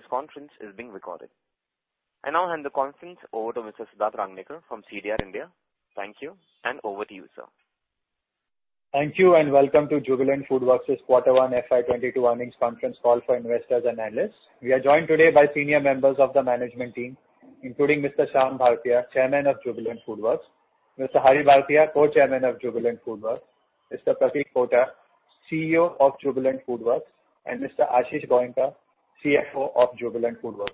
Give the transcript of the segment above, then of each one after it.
Please note that this conference is being recorded. I now hand the conference over to Mr. Siddharth Rangnekar from CDR India. Thank you, and over to you, sir. Thank you. Welcome to Jubilant FoodWorks' quarter one FY 2022 earnings conference call for investors and analysts. We are joined today by senior members of the management team, including Mr. Shyam Bhartia, Chairman of Jubilant FoodWorks; Mr. Hari Bhartia, Co-Chairman of Jubilant FoodWorks; Mr. Pratik Pota, CEO of Jubilant FoodWorks; and Mr. Ashish Goenka, CFO of Jubilant FoodWorks.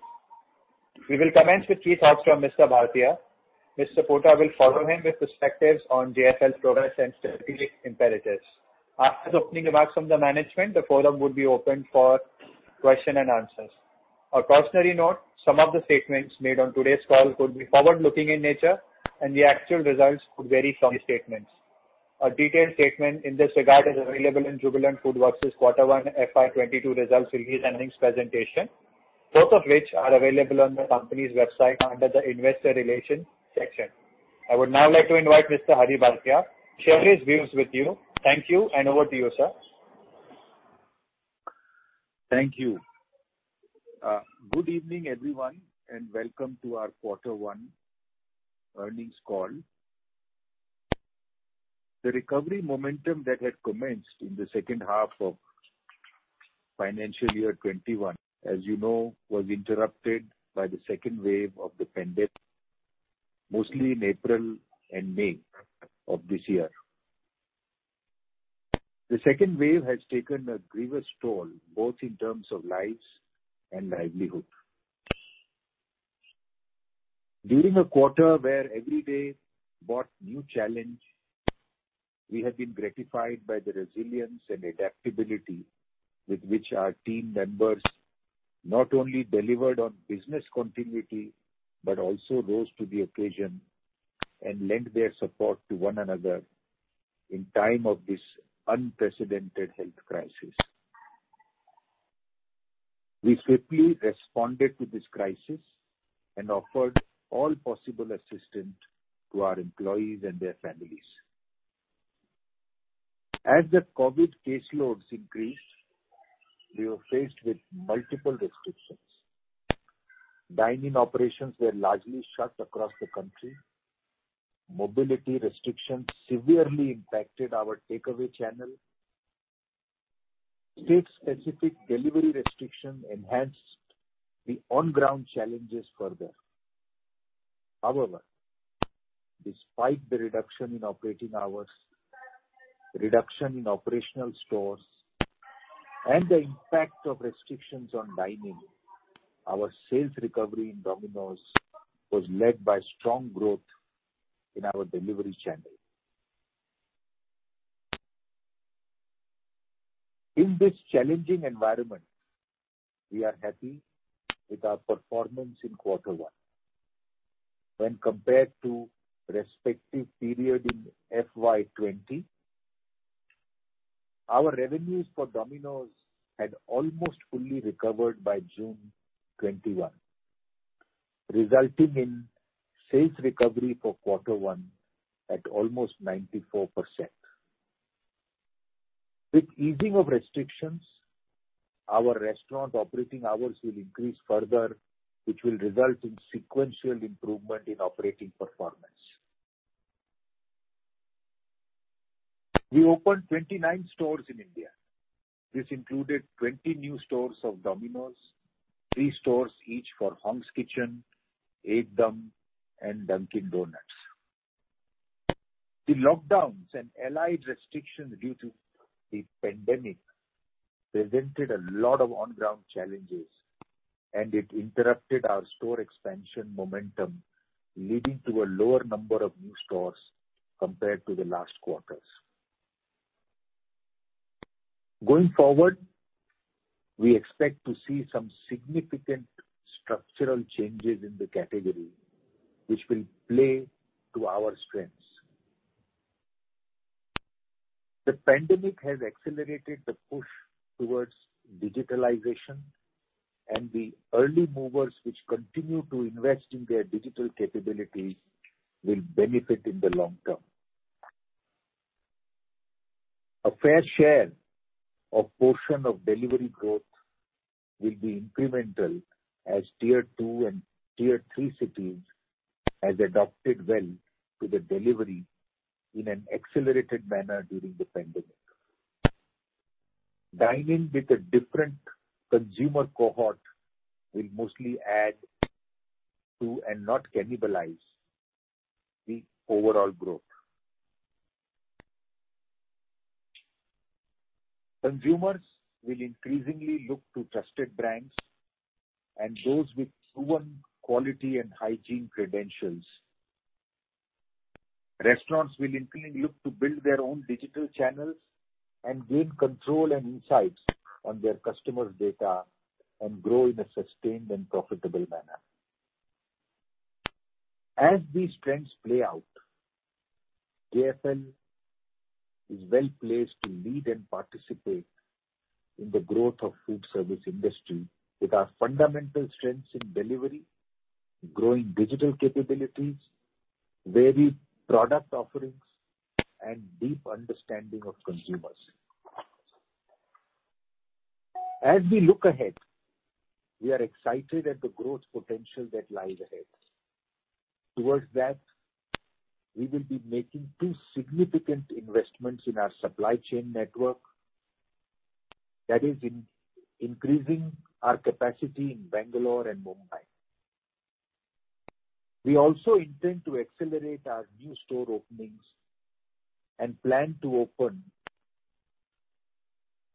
We will commence with key thoughts from Mr. Bhartia. Mr. Pota will follow him with perspectives on JFL progress and strategic imperatives. After the opening remarks from the management, the forum will be opened for question and answers. A cautionary note. Some of the statements made on today's call could be forward-looking in nature and the actual results could vary from the statements. A detailed statement in this regard is available in Jubilant FoodWorks' quarter one FY 2022 results release and earnings presentation, both of which are available on the company's website under the investor relations section. I would now like to invite Mr. Hari Bhartia to share his views with you. Thank you, and over to you, sir. Thank you. Good evening, everyone, and welcome to our quarter one earnings call. The recovery momentum that had commenced in the second half of financial year 2021, as you know, was interrupted by the second wave of the pandemic, mostly in April and May of this year. The second wave has taken a grievous toll, both in terms of lives and livelihood. During a quarter where every day brought new challenge, we have been gratified by the resilience and adaptability with which our team members not only delivered on business continuity but also rose to the occasion and lent their support to one another in time of this unprecedented health crisis. We swiftly responded to this crisis and offered all possible assistance to our employees and their families. As the COVID caseloads increased, we were faced with multiple restrictions. Dine-in operations were largely shut across the country. Mobility restrictions severely impacted our takeaway channel. State-specific delivery restrictions enhanced the on-ground challenges further. However, despite the reduction in operating hours, reduction in operational stores, and the impact of restrictions on dine-in, our sales recovery in Domino's was led by strong growth in our delivery channel. In this challenging environment, we are happy with our performance in quarter 1. When compared to respective period in FY 2020, our revenues for Domino's had almost fully recovered by June 2021, resulting in sales recovery for quarter 1 at almost 94%. With easing of restrictions, our restaurant operating hours will increase further, which will result in sequential improvement in operating performance. We opened 29 stores in India. This included 20 new stores of Domino's, three stores each for Hong's Kitchen, Ekdum! and Dunkin' Donuts. The lockdowns and allied restrictions due to the pandemic presented a lot of on-ground challenges, and it interrupted our store expansion momentum, leading to a lower number of new stores compared to the last quarters. Going forward, we expect to see some significant structural changes in the category, which will play to our strengths. The pandemic has accelerated the push towards digitalization and the early movers which continue to invest in their digital capabilities will benefit in the long term. A fair share of portion of delivery growth will be incremental as tier two and tier three cities has adopted well to the delivery in an accelerated manner during the pandemic. Dine-in with a different consumer cohort will mostly add to and not cannibalize the overall growth. Consumers will increasingly look to trusted brands and those with proven quality and hygiene credentials. Restaurants will increasingly look to build their own digital channels and gain control and insights on their customers' data and grow in a sustained and profitable manner. As these trends play out, JFL is well-placed to lead and participate in the growth of food service industry with our fundamental strengths in delivery, growing digital capabilities, varied product offerings and deep understanding of consumers. As we look ahead, we are excited at the growth potential that lies ahead. Towards that, we will be making two significant investments in our supply chain network. That is increasing our capacity in Bangalore and Mumbai. We also intend to accelerate our new store openings and plan to open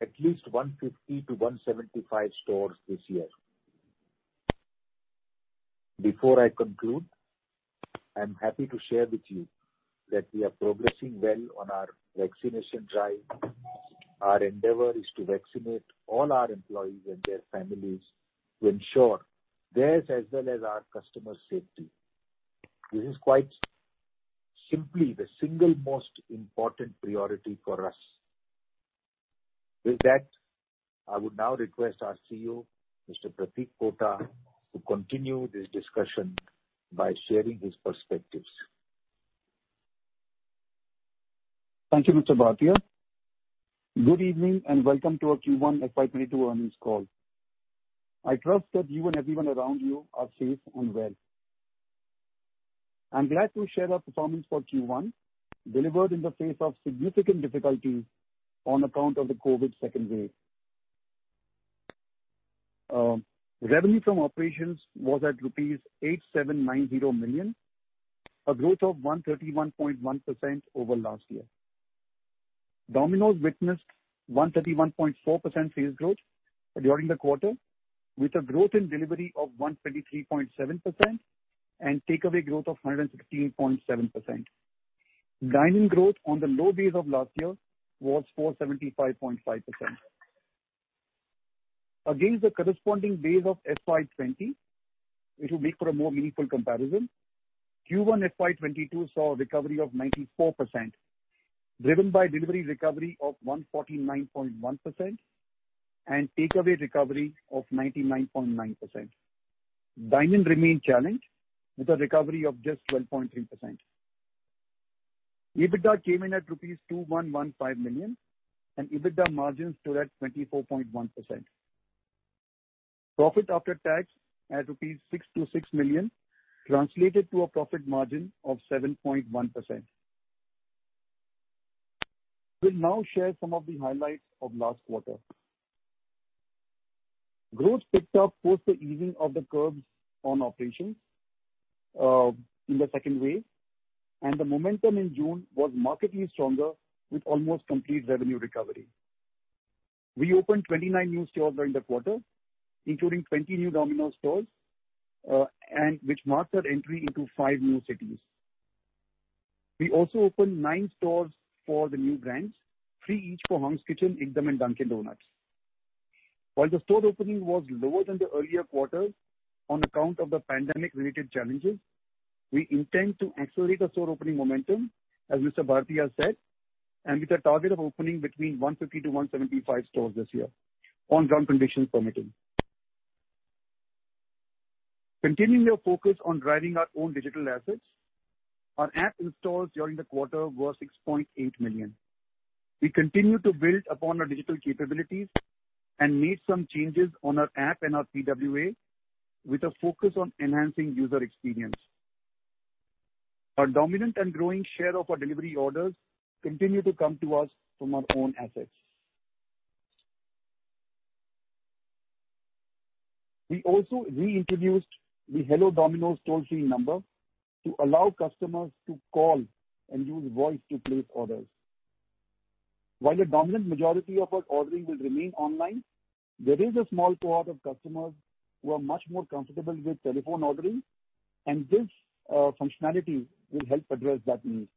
at least 150-175 stores this year. Before I conclude, I'm happy to share with you that we are progressing well on our vaccination drive. Our endeavor is to vaccinate all our employees and their families to ensure theirs as well as our customers' safety. This is quite simply the single most important priority for us. With that, I would now request our CEO, Mr. Pratik Pota, to continue this discussion by sharing his perspectives. Thank you, Mr. Bhartia. Good evening, welcome to our Q1 FY 2021 earnings call. I trust that you and everyone around you are safe and well. I'm glad to share our performance for Q1, delivered in the face of significant difficulties on account of the COVID second wave. Revenue from operations was at rupees 8,790 million, a growth of 131.1% over last year. Domino's witnessed 131.4% sales growth during the quarter, with a growth in delivery of 123.7% and takeaway growth of 116.7%. Dine-in growth on the low base of last year was 475.5%. Against the corresponding base of FY 2020, which will make for a more meaningful comparison, Q1 FY 2022 saw recovery of 94%, driven by delivery recovery of 149.1% and takeaway recovery of 99.9%. Dine-in remained challenged with a recovery of just 12.3%. EBITDA came in at rupees 2,115 million and EBITDA margins stood at 24.1%. Profit after tax at rupees 626 million translated to a profit margin of 7.1%. Will now share some of the highlights of last quarter. Growth picked up post the easing of the curbs on operations in the second wave. The momentum in June was markedly stronger with almost complete revenue recovery. We opened 29 new stores during the quarter, including 20 new Domino's stores, which marked our entry into five new cities. We also opened nine stores for the new brands, three each for Hong's Kitchen, Ekdum and Dunkin' Donuts. While the store opening was lower than the earlier quarters on account of the pandemic-related challenges, we intend to accelerate the store opening momentum, as Mr. Bhartia said, and with a target of opening between 150-175 stores this year, on ground conditions permitting. Continuing our focus on driving our own digital assets, our app installs during the quarter were 6.8 million. We continue to build upon our digital capabilities and made some changes on our app and our PWA with a focus on enhancing user experience. Our dominant and growing share of our delivery orders continue to come to us from our own assets. We also reintroduced the Hello Domino's toll-free number to allow customers to call and use voice to place orders. While a dominant majority of our ordering will remain online, there is a small cohort of customers who are much more comfortable with telephone ordering, and this functionality will help address that need.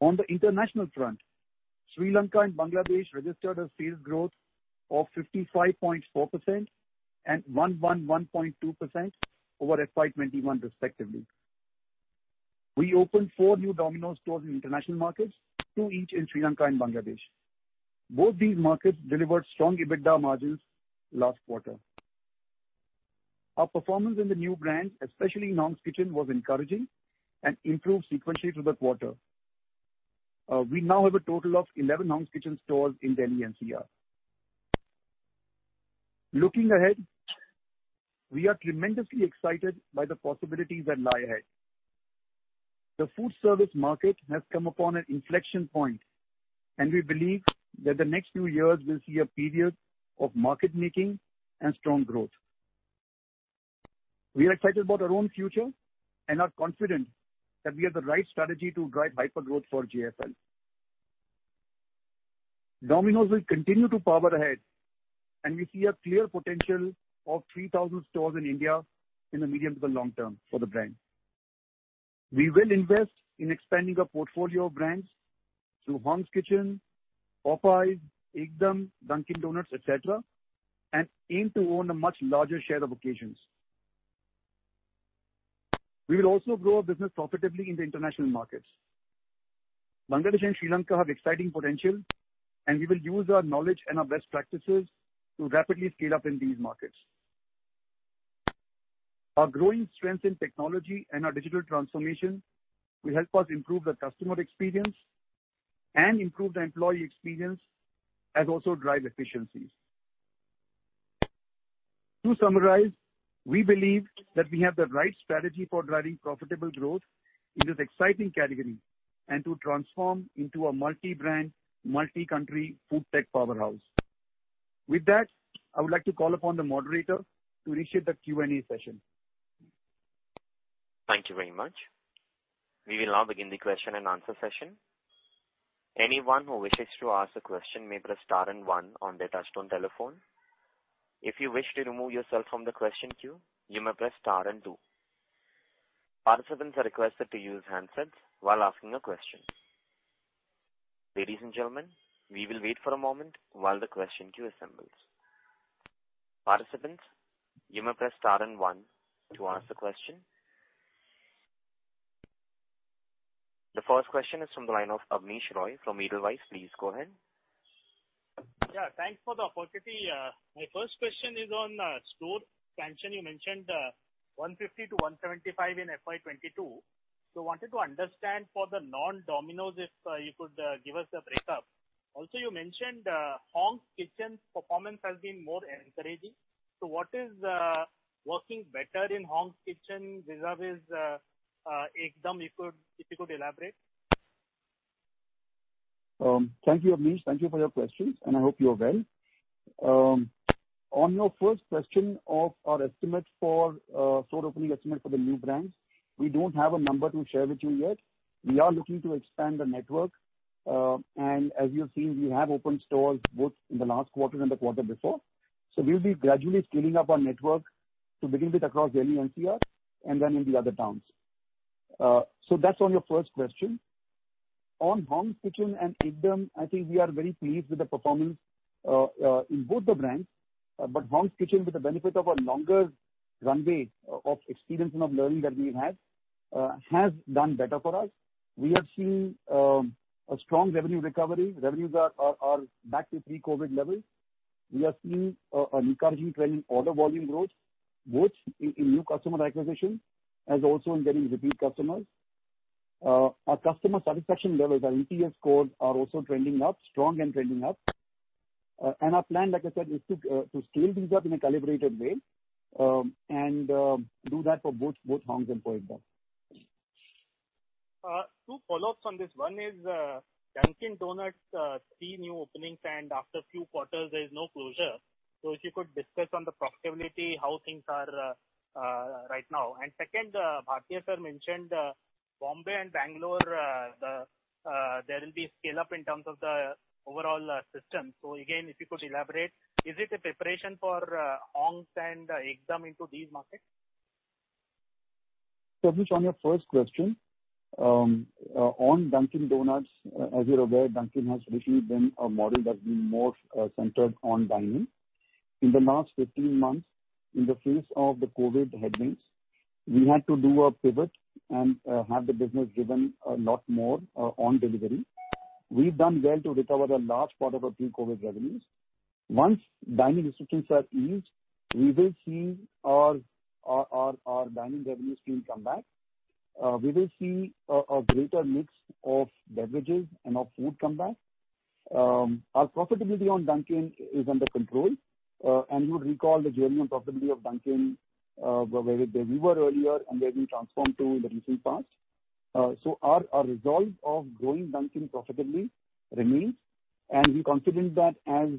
On the international front, Sri Lanka and Bangladesh registered a sales growth of 55.4% and 111.2% over FY 2021 respectively. We opened four new Domino's stores in international markets, two each in Sri Lanka and Bangladesh. Both these markets delivered strong EBITDA margins last quarter. Our performance in the new brands, especially in Hong's Kitchen, was encouraging and improved sequentially through the quarter. We now have a total of 11 Hong's Kitchen stores in Delhi NCR. Looking ahead, we are tremendously excited by the possibilities that lie ahead. The food service market has come upon an inflection point. We believe that the next few years will see a period of market making and strong growth. We are excited about our own future. We are confident that we have the right strategy to drive hyper-growth for JFL. Domino's will continue to power ahead. We see a clear potential of 3,000 stores in India in the medium to the long term for the brand. We will invest in expanding our portfolio of brands through Hong's Kitchen, Popeyes, Ekdum, Dunkin' Donuts, et cetera. Aim to own a much larger share of occasions. We will also grow our business profitably in the international markets. Bangladesh and Sri Lanka have exciting potential. We will use our knowledge and our best practices to rapidly scale up in these markets. Our growing strength in technology and our digital transformation will help us improve the customer experience and improve the employee experience. Also drive efficiencies. To summarize, we believe that we have the right strategy for driving profitable growth in this exciting category and to transform into a multi-brand, multi-country food tech powerhouse. With that, I would like to call upon the moderator to initiate the Q&A session. Thank you very much. We will now begin the question and answer session. Anyone who wishes to ask a question may press star and one on their touch-tone telephone. If you wish to remove yourself from the question queue, you may press star and two. Participants are requested to use handsets while asking a question. Ladies and gentlemen, we will wait for a moment while the question queue assembles. Participants, you may press star and one to ask the question. The first question is from the line of Abneesh Roy from Edelweiss. Please go ahead. Thanks for the opportunity. My first question is on store expansion. You mentioned 150-175 in FY 2022. Wanted to understand for the non-Domino's, if you could give us a breakup. Also, you mentioned Hong's Kitchen performance has been more encouraging. What is working better in Hong's Kitchen vis-a-vis Ekdum, if you could elaborate? Thank you, Abneesh. Thank you for your questions, and I hope you are well. On your first question of our estimate for store opening estimate for the new brands, we don't have a number to share with you yet. We are looking to expand the network, and as you have seen, we have opened stores both in the last quarter and the quarter before. We'll be gradually scaling up our network to begin with across Delhi NCR and then in the other towns. That's on your first question. On Hong's Kitchen and Ekdum, I think we are very pleased with the performance in both the brands. Hong's Kitchen, with the benefit of a longer runway of experience and of learning that we have had, has done better for us. We have seen a strong revenue recovery. Revenues are back to pre-COVID levels. We are seeing an encouraging trend in order volume growth, both in new customer acquisition and also in getting repeat customers. Our customer satisfaction levels, our NPS scores, are also trending up, strong and trending up. Our plan, like I said, is to scale things up in a calibrated way, and do that for both Hong's and for Ekdum! Two follow-ups on this. One is Dunkin' Donuts, three new openings, and after few quarters, there is no closure. If you could discuss on the profitability, how things are right now? Second, Bhartia sir mentioned Bombay and Bangalore, there will be a scale-up in terms of the overall system. Again, if you could elaborate, is it a preparation for Hong's and Ekdum into these markets? Abneesh, on your first question, on Dunkin' Donuts, as you're aware, Dunkin' has traditionally been a model that's been more centered on dine-in. In the last 15 months, in the face of the COVID headwinds, we had to do a pivot and have the business driven a lot more on delivery. We've done well to recover a large part of our pre-COVID revenues. Once dining restrictions are eased, we will see our dine-in revenues stream come back. We will see a greater mix of beverages and of food come back. Our profitability on Dunkin' is under control. You would recall the journey and profitability of Dunkin' where we were earlier and where we transformed to in the recent past. Our resolve of growing Dunkin' profitably remains, and we are confident that as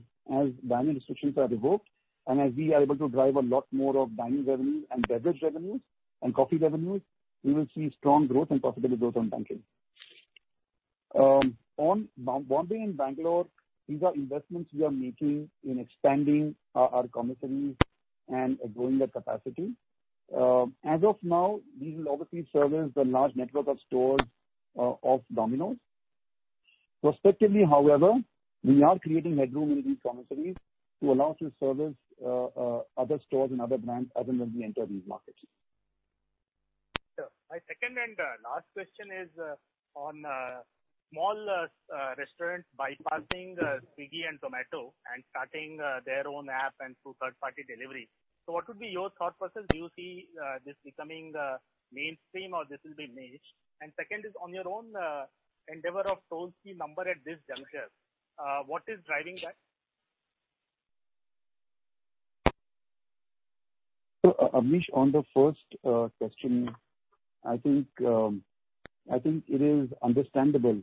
dine-in restrictions are revoked and as we are able to drive a lot more of dine-in revenues and beverage revenues and coffee revenues, we will see strong growth and profitable growth on Dunkin'. Bombay and Bangalore, these are investments we are making in expanding our commissaries and growing their capacity. As of now, these will obviously service the large network of stores of Domino's. Prospectively, however, we are creating headroom in these commissaries to allow to service other stores and other brands as and when we enter these markets. Sure. My second and last question is on small restaurants bypassing Swiggy and Zomato and starting their own app and through third-party delivery. What would be your thought process? Do you see this becoming mainstream or this will be niche? Second is on your own endeavor of MTU at this juncture. What is driving that? Abneesh, on the first question, I think it is understandable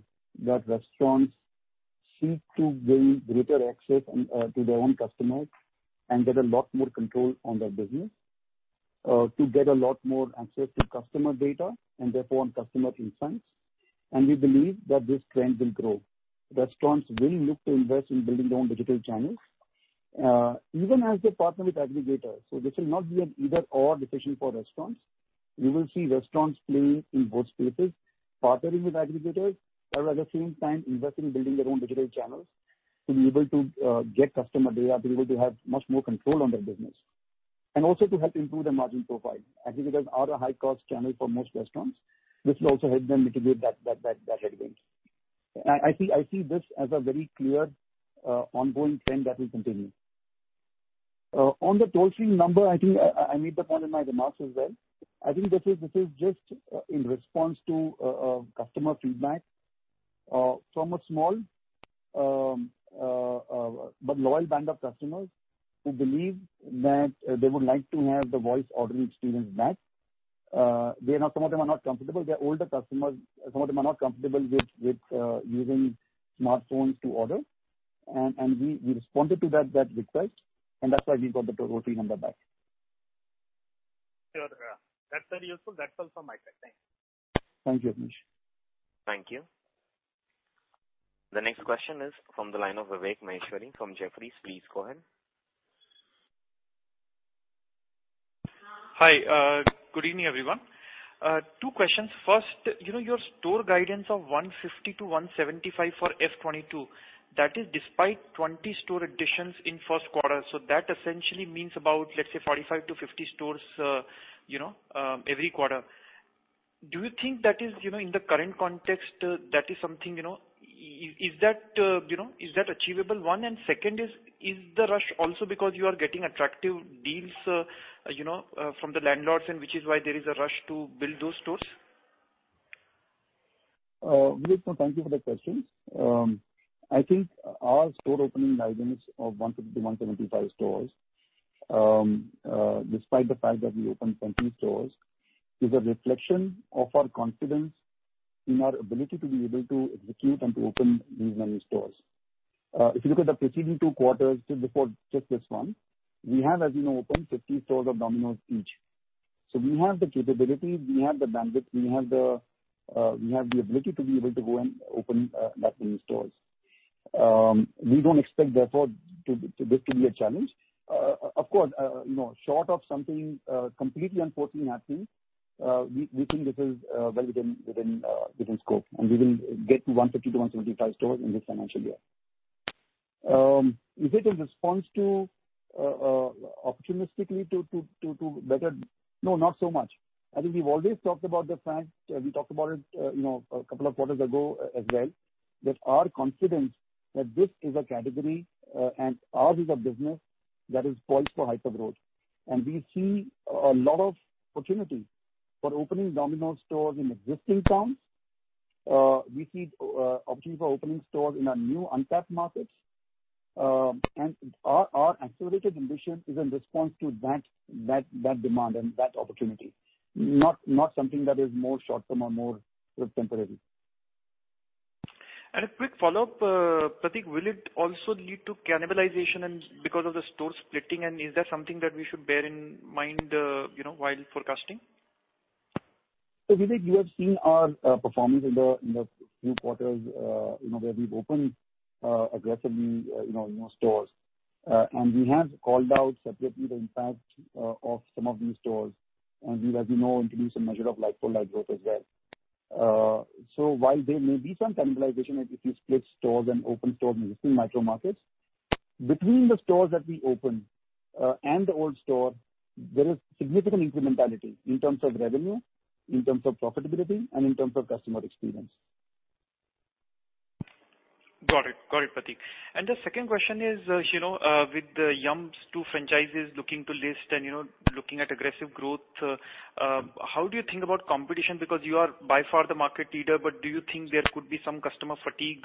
that restaurants seek to gain greater access to their own customers and get a lot more control on their business, to get a lot more access to customer data and therefore on customer insights, and we believe that this trend will grow. Restaurants will look to invest in building their own digital channels, even as they partner with aggregators. This will not be an either/or decision for restaurants. We will see restaurants play in both spaces, partnering with aggregators, while at the same time investing in building their own digital channels to be able to get customer data, to be able to have much more control on their business, and also to help improve their margin profile. Aggregators are a high-cost channel for most restaurants. This will also help them mitigate that headwind. I see this as a very clear ongoing trend that will continue. On the toll-free number, I think I made the point in my remarks as well. I think this is just in response to customer feedback from a small but loyal band of customers who believe that they would like to have the voice ordering experience back. Some of them are not comfortable. They're older customers. We responded to that request, and that's why we got the toll-free number back. Sure. That's very useful. That's all from my side. Thanks. Thank you, Abneesh. Thank you. The next question is from the line of Vivek Maheshwari from Jefferies. Please go ahead. Hi. Good evening, everyone. Two questions. First, your store guidance of 150-175 for FY 2022, that is despite 20 store additions in first quarter. That essentially means about, let's say, 45-50 stores every quarter. Do you think that in the current context, that is something achievable, one? Second is the rush also because you are getting attractive deals from the landlords and which is why there is a rush to build those stores? Vivek, thank you for that question. I think our store opening guidance of 150-175 stores, despite the fact that we opened 20 stores, is a reflection of our confidence in our ability to be able to execute and to open these many stores. If you look at the preceding two quarters before just this one, we have, as you know, opened 50 stores of Domino's each. We have the capability, we have the bandwidth, we have the ability to be able to go and open that many stores. We don't expect, therefore, this to be a challenge. Of course, short of something completely unforeseen happening, we think this is well within scope, and we will get to 150-175 stores in this financial year. Is it in response to opportunistically? No, not so much. I think we've always talked about the fact, we talked about it a couple of quarters ago as well, that our confidence that this is a category and ours is a business that is poised for hypergrowth. We see a lot of opportunity for opening Domino's stores in existing towns. We see opportunity for opening stores in our new untapped markets, and our accelerated ambition is in response to that demand and that opportunity, not something that is more short-term or more temporary. A quick follow-up, Pratik. Will it also lead to cannibalization because of the store splitting, and is that something that we should bear in mind while forecasting? Vivek, you have seen our performance in the few quarters where we've opened aggressively new stores. We have called out separately the impact of some of these stores, and we, as you know, introduced a measure of like-for-like growth as well. While there may be some cannibalization if you split stores and open stores in existing micro markets, between the stores that we opened and the old store, there is significant incrementality in terms of revenue, in terms of profitability, and in terms of customer experience. Got it, Pratik. The second question is, with Yum!'s two franchisees looking to list and looking at aggressive growth, how do you think about competition? Because you are by far the market leader, but do you think there could be some customer fatigue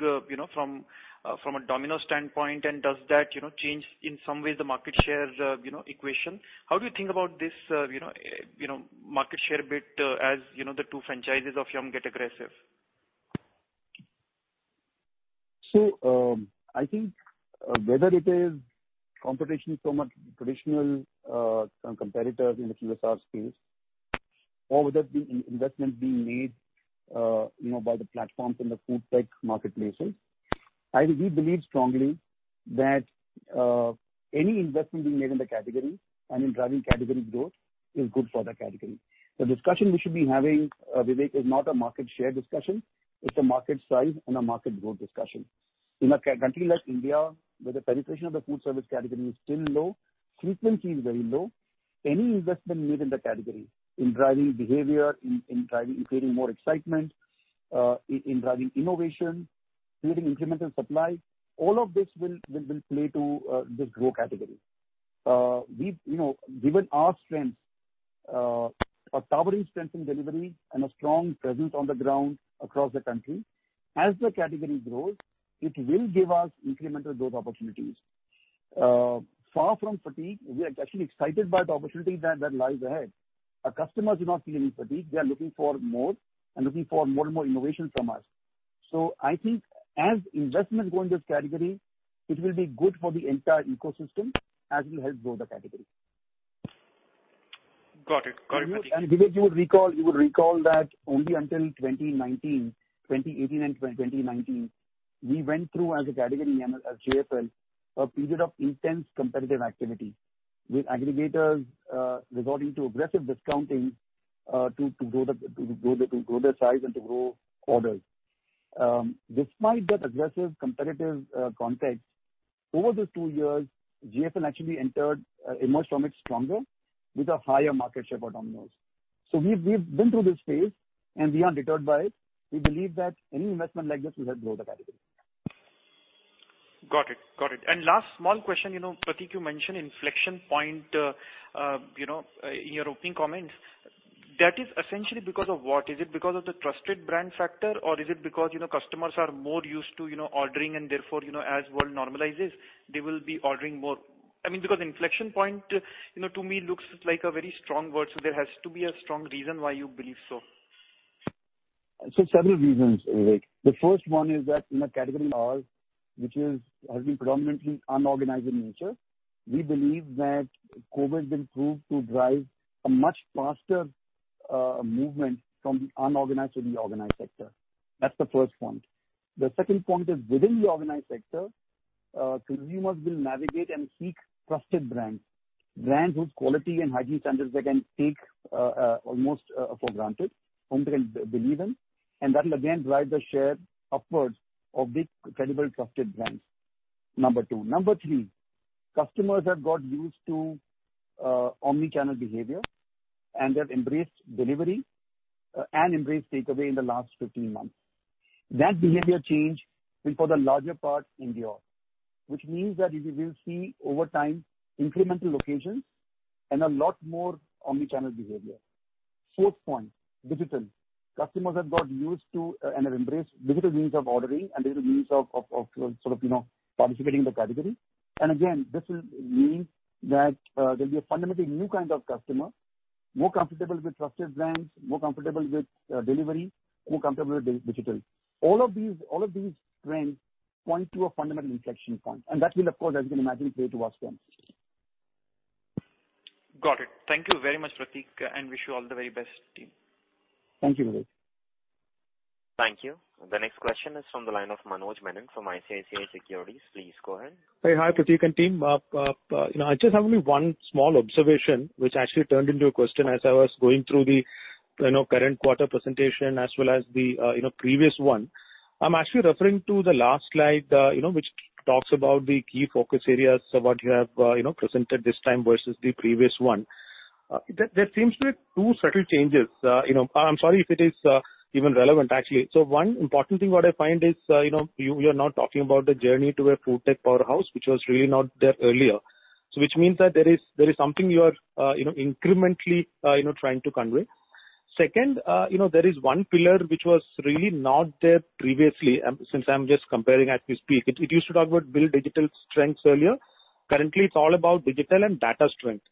from a Domino's standpoint and does that change in some ways the market share equation? How do you think about this market share bit as the two franchisees of Yum! get aggressive? I think whether it is competition from traditional competitors in the QSR space or whether it be investment being made by the platforms in the food tech marketplaces, we believe strongly that any investment being made in the category and in driving category growth is good for the category. The discussion we should be having, Vivek, is not a market share discussion. It's a market size and a market growth discussion. In a country like India, where the penetration of the food service category is still low, frequency is very low, any investment made in the category in driving behavior, in creating more excitement, in driving innovation, creating incremental supply, all of this will play to this growth category. Given our strengths, our towering strength in delivery and a strong presence on the ground across the country, as the category grows, it will give us incremental growth opportunities. Far from fatigue, we are actually excited by the opportunity that lies ahead. Our customers do not feel any fatigue. They are looking for more and more innovation from us. I think as investments go in this category, it will be good for the entire ecosystem as it will help grow the category. Got it, Pratik. Vivek, you will recall that only until 2018 and 2019, we went through, as a category and as JFL, a period of intense competitive activity with aggregators resorting to aggressive discounting to grow their size and to grow orders. Despite that aggressive competitive context over those two years, JFL actually emerged from it stronger with a higher market share for Domino's. We've been through this phase, and we are undeterred by it. We believe that any investment like this will help grow the category. Got it. Last small question. Pratik, you mentioned inflection point in your opening comments. That is essentially because of what? Is it because of the trusted brand factor, or is it because customers are more used to ordering and therefore, as world normalizes, they will be ordering more? Inflection point to me looks like a very strong word, so there has to be a strong reason why you believe so. Several reasons, Vivek. The first one is that in a category like ours, which has been predominantly unorganized in nature, we believe that COVID will prove to drive a much faster movement from the unorganized to the organized sector. That's the first point. The second point is within the organized sector, consumers will navigate and seek trusted brands whose quality and hygiene standards they can take almost for granted, whom they can believe in, and that will again drive the share upwards of these credible, trusted brands, number two. Number three, customers have got used to omni-channel behavior and have embraced delivery and embraced takeaway in the last 15 months. That behavior change will for the larger part endure, which means that we will see over time incremental locations and a lot more omni-channel behavior, fourth point, digital. Customers have got used to and have embraced digital means of ordering and digital means of participating in the category. Again, this will mean that there'll be a fundamentally new kind of customer, more comfortable with trusted brands, more comfortable with delivery, more comfortable with digital. All of these trends point to a fundamental inflection point, and that will, of course, as you can imagine, play to our strengths. Got it. Thank you very much, Pratik, and wish you all the very best, team. Thank you, Vivek. Thank you. The next question is from the line of Manoj Menon from ICICI Securities. Please go ahead. Hi, Pratik and team. I just have only one small observation which actually turned into a question as I was going through the current quarter presentation as well as the previous one. I'm actually referring to the last slide which talks about the key focus areas of what you have presented this time versus the previous one. There seems to be two subtle changes. I'm sorry if it is even relevant, actually. One important thing that I find is you are now talking about the journey to a food tech powerhouse, which was really not there earlier. Which means that there is something you are incrementally trying to convey. Second, there is one pillar which was really not there previously, since I'm just comparing as we speak. It used to talk about build digital strengths earlier. Currently, it's all about digital and data strength.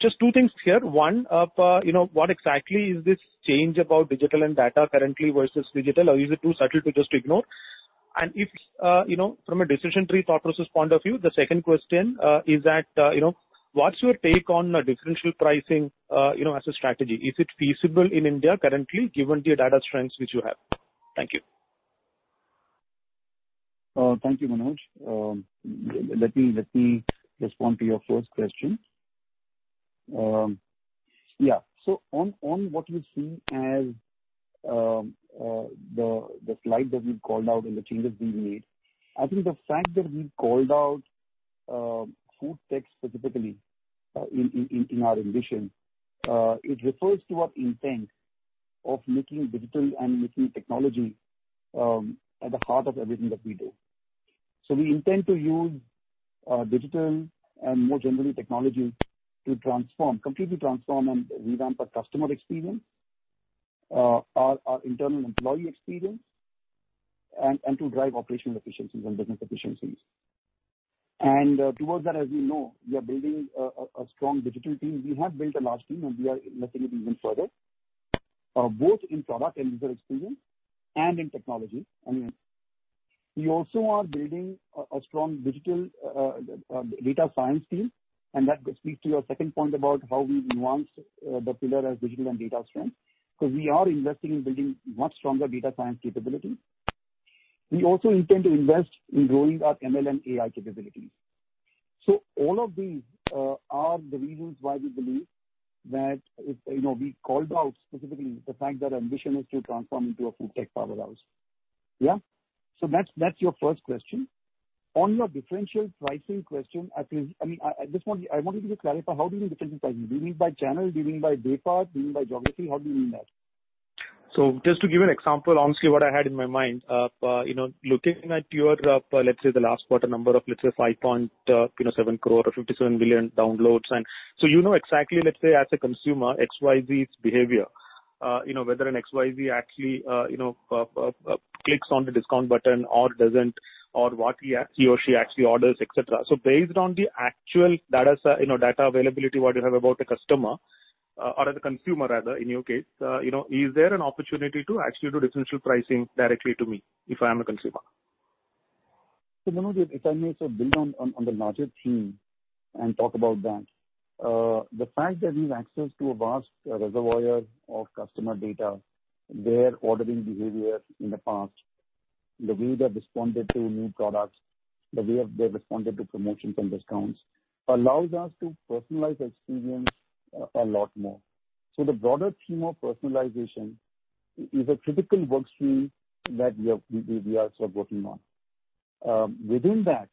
Just two things here. One, what exactly is this change about digital and data currently versus digital? Is it too subtle to just ignore? From a decision tree thought process point of view, the second question is what's your take on differential pricing as a strategy? Is it feasible in India currently given the data strengths which you have? Thank you. Thank you, Manoj. Let me respond to your first question. On what you see as the slide that we called out and the changes we made, I think the fact that we called out food tech specifically in our ambition it refers to our intent of making digital and making technology at the heart of everything that we do. We intend to use digital and more generally technology to completely transform and revamp our customer experience, our internal employee experience, and to drive operational efficiencies and business efficiencies. Towards that, as you know, we are building a strong digital team. We have built a large team, and we are investing even further, both in product and user experience and in technology. We also are building a strong digital data science team, and that speaks to your second point about how we nuanced the pillar as digital and data strength, because we are investing in building much stronger data science capability. We also intend to invest in growing our ML and AI capabilities. All of these are the reasons why we believe that we called out specifically the fact that our ambition is to transform into a food tech powerhouse. That's your first question. On your differential pricing question, I want you to clarify, how do you mean differential pricing? Do you mean by channel? Do you mean by department? Do you mean by geography? How do you mean that? Just to give you an example, honestly, what I had in my mind, looking at your, let's say, the last quarter number of, let's say, 5.7 crore or 57 million downloads. You know exactly, let's say, as a consumer, XYZ's behavior whether an XYZ actually clicks on the discount button or doesn't, or what he or she actually orders, etc. Based on the actual data availability what you have about a customer or the consumer rather, in your case, is there an opportunity to actually do differential pricing directly to me if I am a consumer? Manoj, if I may sort of build on the larger theme and talk about that. The fact that we've access to a vast reservoir of customer data, their ordering behaviors in the past, the way they've responded to new products. The way they've responded to promotions and discounts allows us to personalize experience a lot more. The broader theme of personalization is a critical work stream that we are sort of working on. Within that,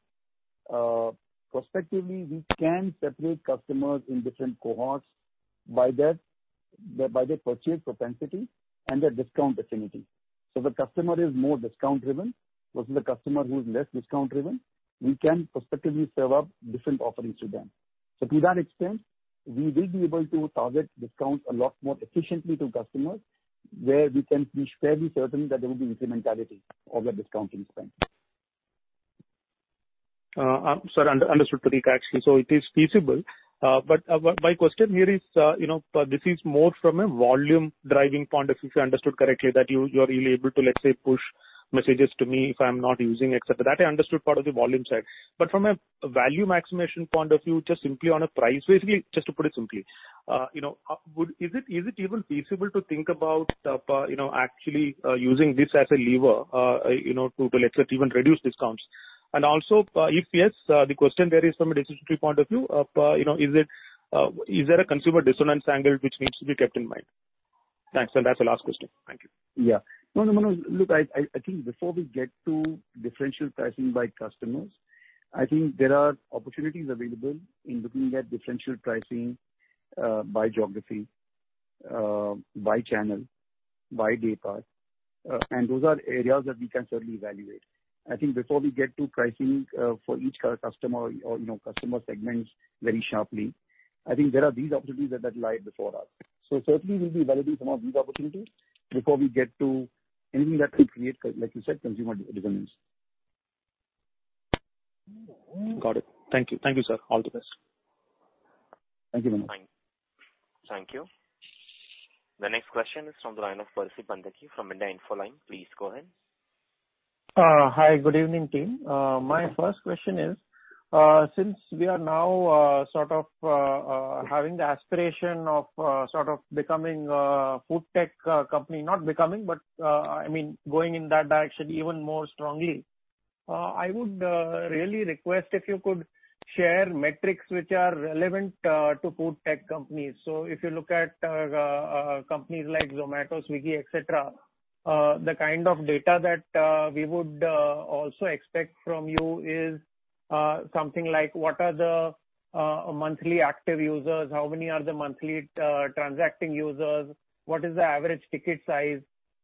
prospectively, we can separate customers in different cohorts by their purchase propensity and their discount affinity. The customer is more discount-driven versus the customer who is less discount-driven. We can prospectively serve up different offerings to them. To that extent, we will be able to target discounts a lot more efficiently to customers, where we can be fairly certain that there will be incrementality of that discounting spend. Sir, understood actually. It is feasible. My question here is, this is more from a volume-driving point of view, if I understood correctly, that you're really able to, let's say, push messages to me if I'm not using, et cetera. That I understood part of the volume side. From a value maximization point of view, just simply on a price, basically, just to put it simply, is it even feasible to think about actually using this as a lever to let's say, even reduce discounts? If yes, the question there is from a decision tree point of view, is there a consumer dissonance angle which needs to be kept in mind? Thanks, and that's the last question. Thank you. Yeah. No, look, I think before we get to differential pricing by customers, I think there are opportunities available in looking at differential pricing by geography, by channel, by daypart, and those are areas that we can certainly evaluate. I think before we get to pricing for each customer or customer segments very sharply, I think there are these opportunities that lie before us. So certainly we'll be evaluating some of these opportunities before we get to anything that will create, like you said, consumer dissonance. Got it. Thank you. Thank you, sir. All the best. Thank you very much. Thank you. The next question is from the line of Percy Panthaki from India Infoline. Please go ahead. Hi. Good evening, team. My first question is, since we are now sort of having the aspiration of sort of becoming a food tech company, not becoming, but going in that direction even more strongly, I would really request if you could share metrics which are relevant to food tech companies. If you look at companies like Zomato, Swiggy, et cetera, the kind of data that we would also expect from you is something like what are the monthly active users, how many are the monthly transacting users, what is the average ticket size?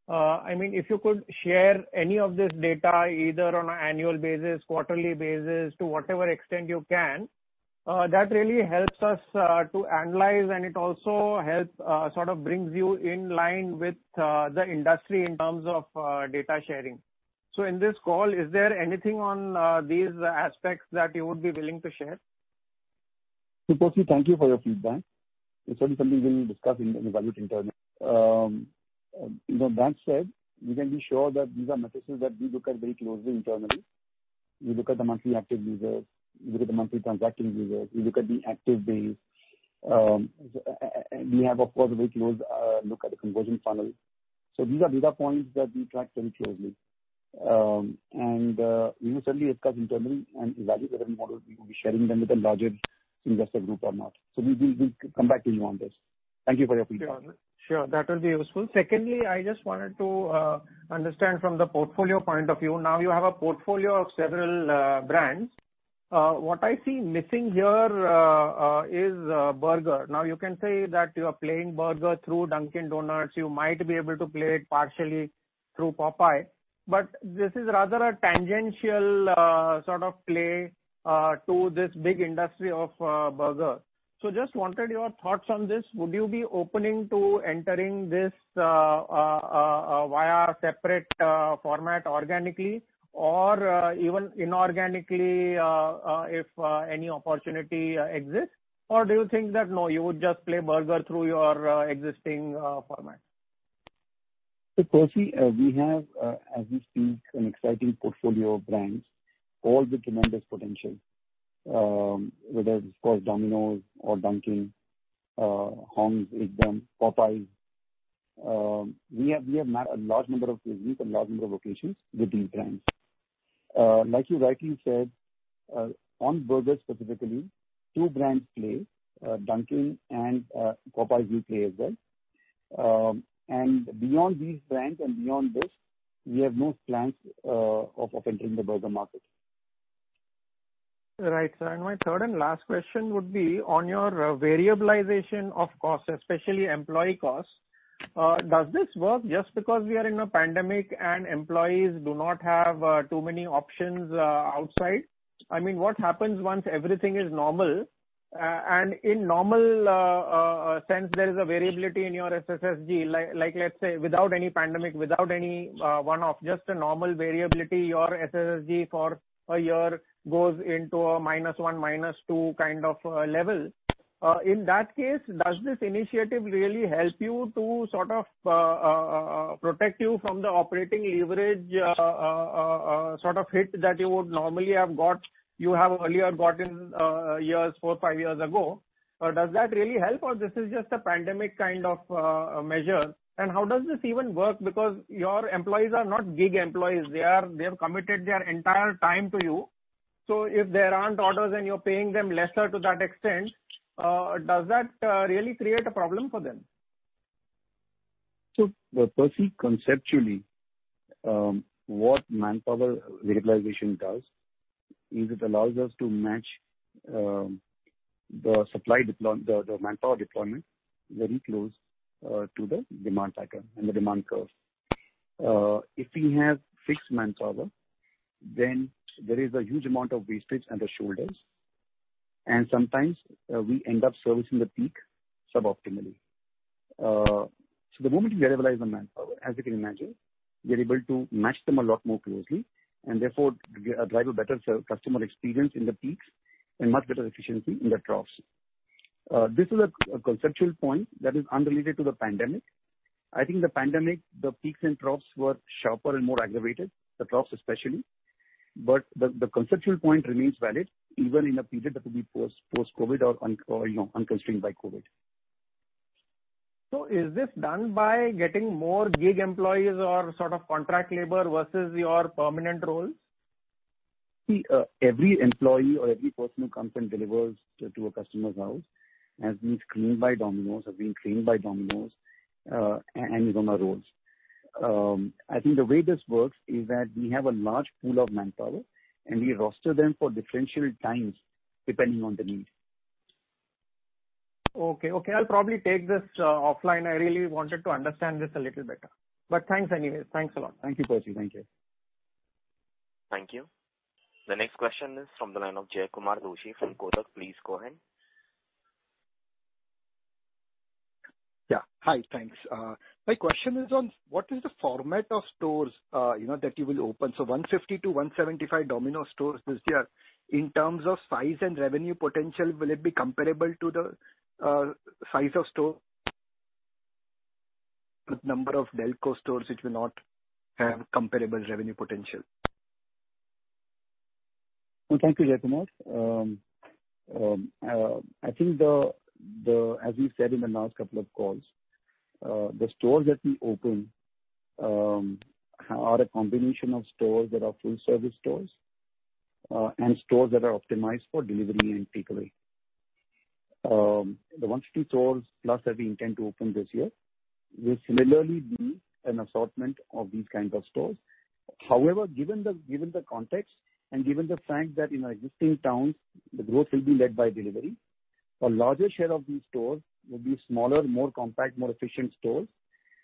If you could share any of this data, either on an annual basis, quarterly basis, to whatever extent you can, that really helps us to analyze, and it also sort of brings you in line with the industry in terms of data sharing. In this call, is there anything on these aspects that you would be willing to share? Percy, thank you for your feedback. It's certainly something we will discuss and evaluate internally. That said, you can be sure that these are messages that we look at very closely internally. We look at the monthly active users, we look at the Monthly Transacting Users, we look at the active base. We have, of course, a very close look at the conversion funnel. These are data points that we track very closely. We will certainly discuss internally and evaluate whether or not we will be sharing them with a larger investor group or not. We'll come back to you on this. Thank you for your feedback. Sure. That will be useful. Secondly, I just wanted to understand from the portfolio point of view. You have a portfolio of several brands. What I see missing here is burger. You can say that you are playing burger through Dunkin' Donuts. You might be able to play it partially through Popeyes, but this is rather a tangential sort of play to this big industry of burgers. Just wanted your thoughts on this. Would you be open to entering this via separate format organically or even inorganically, if any opportunity exists? Do you think that, no, you would just play burger through your existing format? Percy, we have, as we speak, an exciting portfolio of brands, all with tremendous potential. Whether it's Domino's or Dunkin', Hong's, Ekdum!, Popeyes. We have a large number of unique and large number of locations with these brands. Like you rightly said, on burgers specifically, two brands play, Dunkin' and Popeyes will play as well. Beyond these brands and beyond this, we have no plans of entering the burger market. Right, sir. My third and last question would be on your variabilization of costs, especially employee costs. Does this work just because we are in a pandemic and employees do not have too many options outside? What happens once everything is normal and in normal sense, there is a variability in your SSSG, like, let's say, without any pandemic, without any one-off, just a normal variability, your SSSG for a year goes into a -1 to -2 kind of level. In that case, does this initiative really help you to sort of protect you from the operating leverage sort of hit that you would normally have gotten years, four to five years ago? Does that really help, or this is just a pandemic kind of measure? How does this even work? Your employees are not gig employees, they have committed their entire time to you. If there aren't orders and you're paying them lesser to that extent, does that really create a problem for them? Percy, conceptually, what manpower utilization does is it allows us to match the manpower deployment very close to the demand pattern and the demand curve. If we have fixed manpower, then there is a huge amount of wastage at the shoulders, and sometimes we end up servicing the peak suboptimally. The moment we variabilize the manpower, as you can imagine, we are able to match them a lot more closely and therefore drive a better customer experience in the peaks and much better efficiency in the troughs. This is a conceptual point that is unrelated to the pandemic. I think the pandemic, the peaks and troughs were sharper and more aggravated, the troughs especially. The conceptual point remains valid even in a period that will be post-COVID or unconstrained by COVID. Is this done by getting more gig employees or sort of contract labor versus your permanent roles? Every employee or every person who comes and delivers to a customer's house has been screened by Domino's, has been trained by Domino's, and is on-roll. I think the way this works is that we have a large pool of manpower, and we roster them for differential times depending on the need. Okay. I'll probably take this offline. I really wanted to understand this a little better. Thanks anyways. Thanks a lot. Thank you, Percy. Thank you. Thank you. The next question is from the line of Jaykumar Doshi from Kotak. Please go ahead. Yeah. Hi, thanks. My question is on what is the format of stores that you will open? 150-175 Domino's stores this year. In terms of size and revenue potential, will it be comparable to the size of store the number of DELCO stores which will not have comparable revenue potential? Well, thank you, Jaykumar. I think as we said in the last couple of calls, the stores that we open are a combination of stores that are full service stores and stores that are optimized for delivery and takeaway. The 150 stores plus that we intend to open this year will similarly be an assortment of these kinds of stores. However, given the context and given the fact that in our existing towns, the growth will be led by delivery, a larger share of these stores will be smaller, more compact, more efficient stores,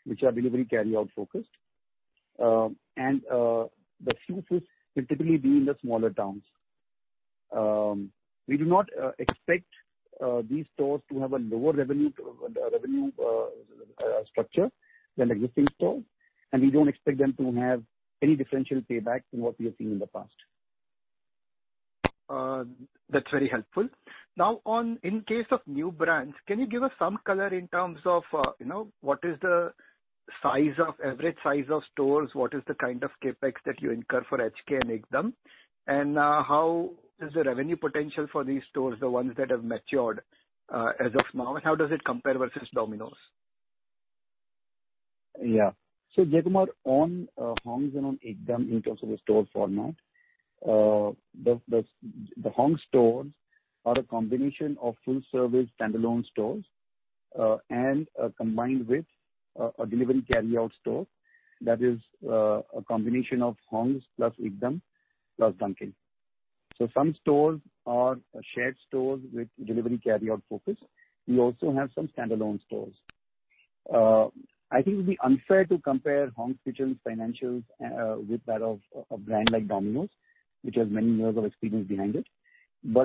which are delivery/carryout focused. The few stores will typically be in the smaller towns. We do not expect these stores to have a lower revenue structure than existing stores, and we don't expect them to have any differential payback from what we have seen in the past. That's very helpful. In case of new brands, can you give us some color in terms of what is the average size of stores? What is the kind of CapEx that you incur for HK and Ekdum? How is the revenue potential for these stores, the ones that have matured as of now, and how does it compare versus Domino's? Yeah. Jaykumar, on Hong's and on Ekdum in terms of the store format, the Hong stores are a combination of full service standalone stores and are combined with a delivery carryout store that is a combination of Hong's plus Ekdum plus Dunkin'. Some stores are shared stores with delivery carryout focus. We also have some standalone stores. I think it'd be unfair to compare Hong's Kitchen's financials with that of a brand like Domino's, which has many years of experience behind it.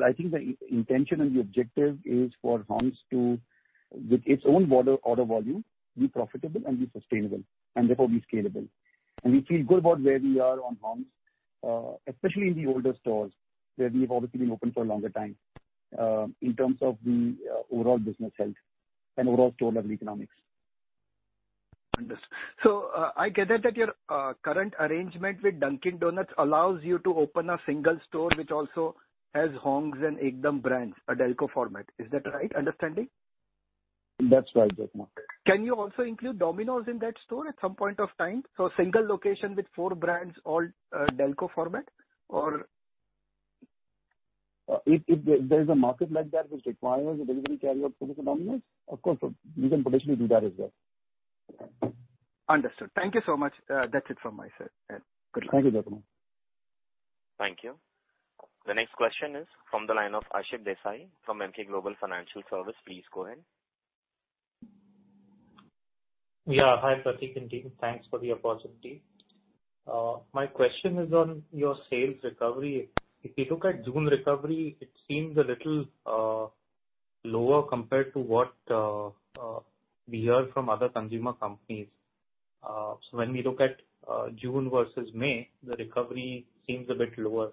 I think the intention and the objective is for Hong's to, with its own order volume, be profitable and be sustainable, and therefore be scalable. We feel good about where we are on Hong's, especially in the older stores where we've obviously been open for a longer time, in terms of the overall business health and overall store-level economics. Understood. I gather that your current arrangement with Dunkin' Donuts allows you to open a single store which also has Hong's and Ekdum brands, a DELCO format. Is that right understanding? That's right, Jaykumar. Can you also include Domino's in that store at some point of time? A single location with four brands, all DELCO format? If there is a market like that which requires a delivery carryout focus on Domino's, of course, we can potentially do that as well. Understood. Thank you so much. That's it from my side. Good luck. Thank you, Jaykumar. Thank you. The next question is from the line of Ashit Desai from Emkay Global Financial Services. Please go ahead. Yeah. Hi, Pratik and team. Thanks for the opportunity. My question is on your sales recovery. If you look at June recovery, it seems a little lower compared to what we heard from other consumer companies. When we look at June versus May, the recovery seems a bit lower.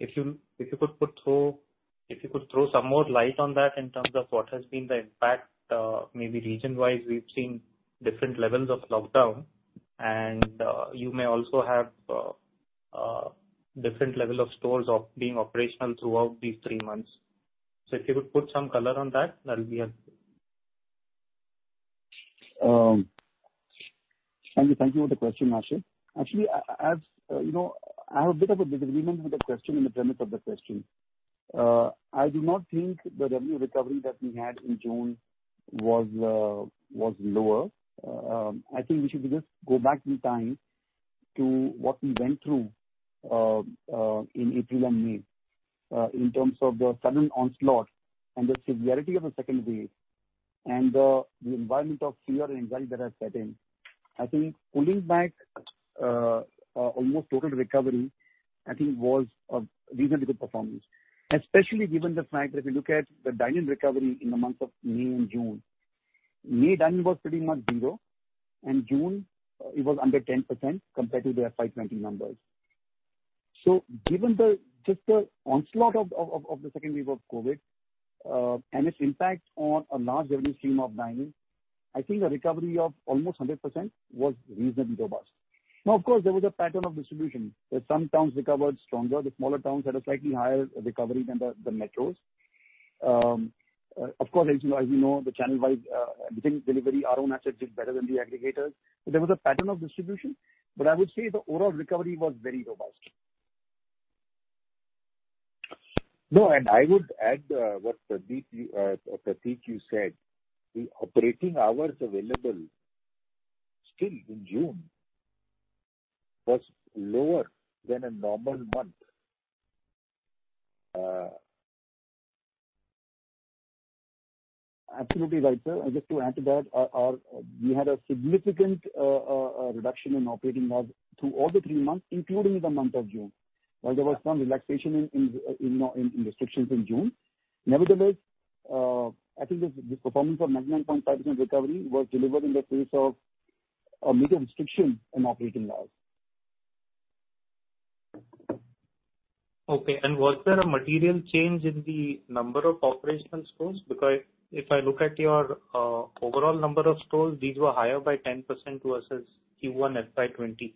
If you could throw some more light on that in terms of what has been the impact maybe region-wise, we've seen different levels of lockdown. And you may also have a different level of stores being operational throughout these three months. If you could put some color on that'll be helpful. Thank you for the question, Ashit. Actually, I have a bit of a disagreement with the question and the premise of the question. I do not think the revenue recovery that we had in June was lower. I think we should just go back in time to what we went through in April and May, in terms of the sudden onslaught and the severity of the second wave and the environment of fear and anxiety that had set in. I think pulling back almost total recovery was a reasonably good performance, especially given the fact that if you look at the dine-in recovery in the months of May and June, May dine-in was pretty much 0, and June, it was under 10% compared to the FY 2020 numbers. Given just the onslaught of the second wave of COVID and its impact on a large revenue stream of dine-in, I think a recovery of almost 100% was reasonably robust. Of course, there was a pattern of distribution, that some towns recovered stronger. The smaller towns had a slightly higher recovery than the metros. As you know, the channel-wide delivery, our own assets did better than the aggregators. I would say the overall recovery was very robust. No, I would add what, Pratik, you said, the operating hours available still in June was lower than a normal month. Absolutely right, sir. Just to add to that, we had a significant reduction in operating hours through all the three months, including the month of June. While there was some relaxation in restrictions in June. Nevertheless, I think the performance of 99.5% recovery was delivered in the face of major restriction in operating hours. Okay, was there a material change in the number of operational stores? If I look at your overall number of stores, these were higher by 10% versus Q1 FY 2020.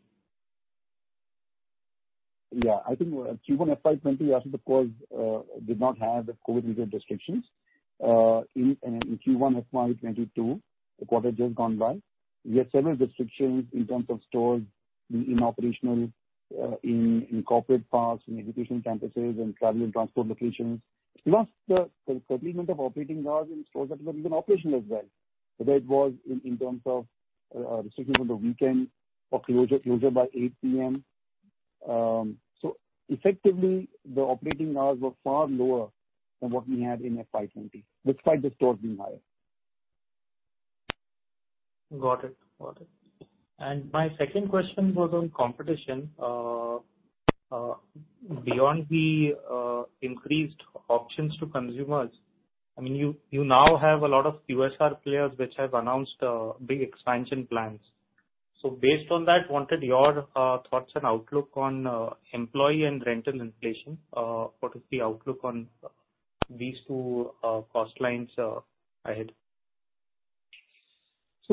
Yeah, I think Q1 FY 2020 also, of course, did not have the COVID-related restrictions. In Q1 FY 2022, the quarter just gone by, we had several restrictions in terms of stores being inoperational in corporate parks, in education campuses, and travel and transport locations. Plus the curtailment of operating hours in stores that were even operational as well, whether it was in terms of restrictions on the weekend or closure by 8:00 P.M. Effectively, the operating hours were far lower than what we had in FY 2020, despite the stores being higher. Got it. My second question was on competition. Beyond the increased options to consumers, you now have a lot of QSR players which have announced big expansion plans. Based on that, wanted your thoughts and outlook on employee and rental inflation. What is the outlook on these two cost lines ahead?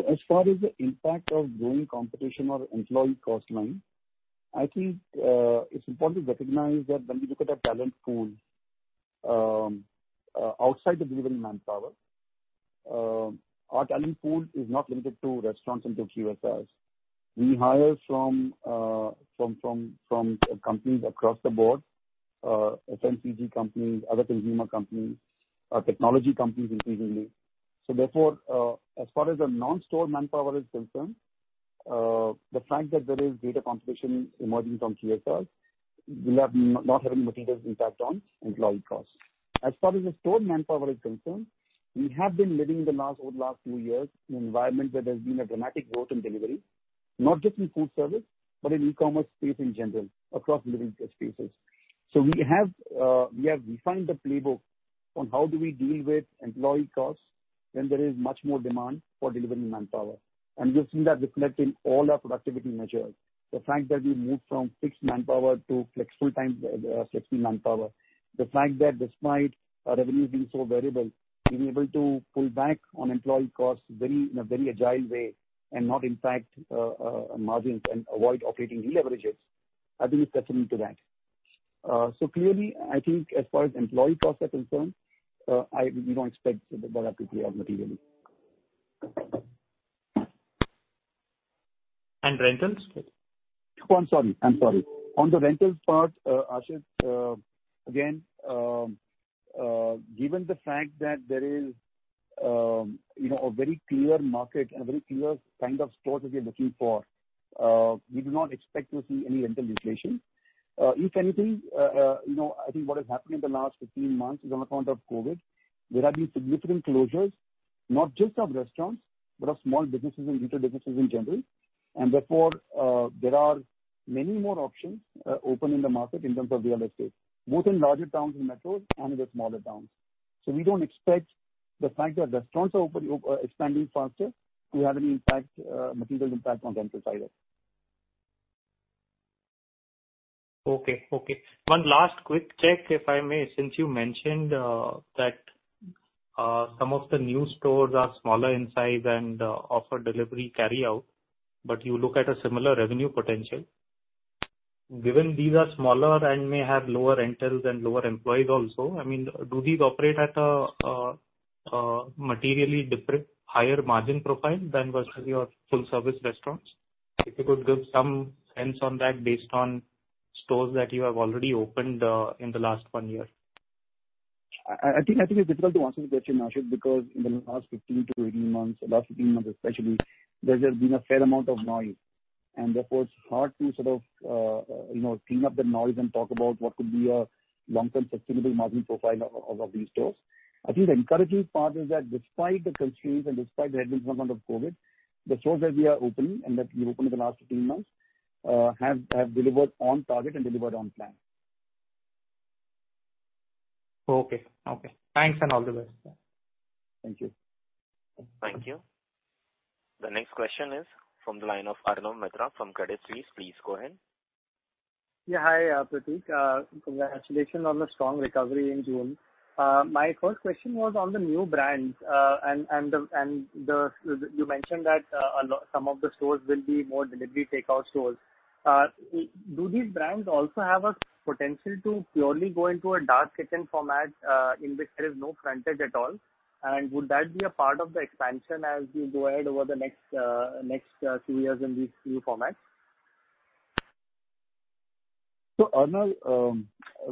As far as the impact of growing competition on employee cost line, I think it's important to recognize that when we look at our talent pool outside the delivery manpower, our talent pool is not limited to restaurants and to QSRs. We hire from companies across the board, FMCG companies, other consumer companies, technology companies increasingly. Therefore, as far as the non-store manpower is concerned, the fact that there is greater competition emerging from QSRs will not have any material impact on employee costs. As far as the store manpower is concerned, we have been living over the last few years in an environment where there's been a dramatic growth in delivery, not just in food service, but in e-commerce space in general, across delivery spaces. We have refined the playbook on how do we deal with employee costs when there is much more demand for delivery manpower. You'll see that reflected in all our productivity measures. The fact that we moved from fixed manpower to full-time flexible manpower, the fact that despite our revenues being so variable, we've been able to pull back on employee costs in a very agile way and not impact margins and avoid operating de-leverages, I think is testament to that. Clearly, I think as far as employee costs are concerned, we don't expect that to play out materially. Rentals? Oh, I'm sorry. On the rentals part, Ashit, again, given the fact that there is a very clear market and a very clear kind of stores that we are looking for, we do not expect to see any rental inflation. If anything, I think what has happened in the last 15 months is on account of COVID, there have been significant closures, not just of restaurants, but of small businesses and retail businesses in general. Therefore, there are many more options open in the market in terms of real estate, both in larger towns and metros and in the smaller towns. We don't expect the fact that restaurants are expanding faster to have any material impact on rentals either. Okay. One last quick check, if I may. Since you mentioned that some of the new stores are smaller in size and offer delivery carryout, but you look at a similar revenue potential. Given these are smaller and may have lower rentals and lower employees also, do these operate at a materially different higher margin profile than versus your full-service restaurants? If you could give some sense on that based on stores that you have already opened in the last one year. I think it's difficult to answer the question Ashit, because in the last 15 to 18 months, the last 15 months, especially, there's just been a fair amount of noise. Therefore it's hard to sort of clean up the noise and talk about what could be a long-term sustainable margin profile of these stores. I think the encouraging part is that despite the constraints and despite the headwind from COVID, the stores that we are opening and that we've opened in the last 15 months have delivered on target and delivered on plan. Okay. Thanks, and all the best. Thank you. Thank you. The next question is from the line of Arnab Mitra from Credit Suisse. Please go ahead. Yeah. Hi, Pratik. Congratulations on the strong recovery in June. My first question was on the new brands, and you mentioned that some of the stores will be more delivery takeout stores. Do these brands also have a potential to purely go into a dark kitchen format, in which there is no frontage at all? Would that be a part of the expansion as we go ahead over the next three years in these few formats? Arnab,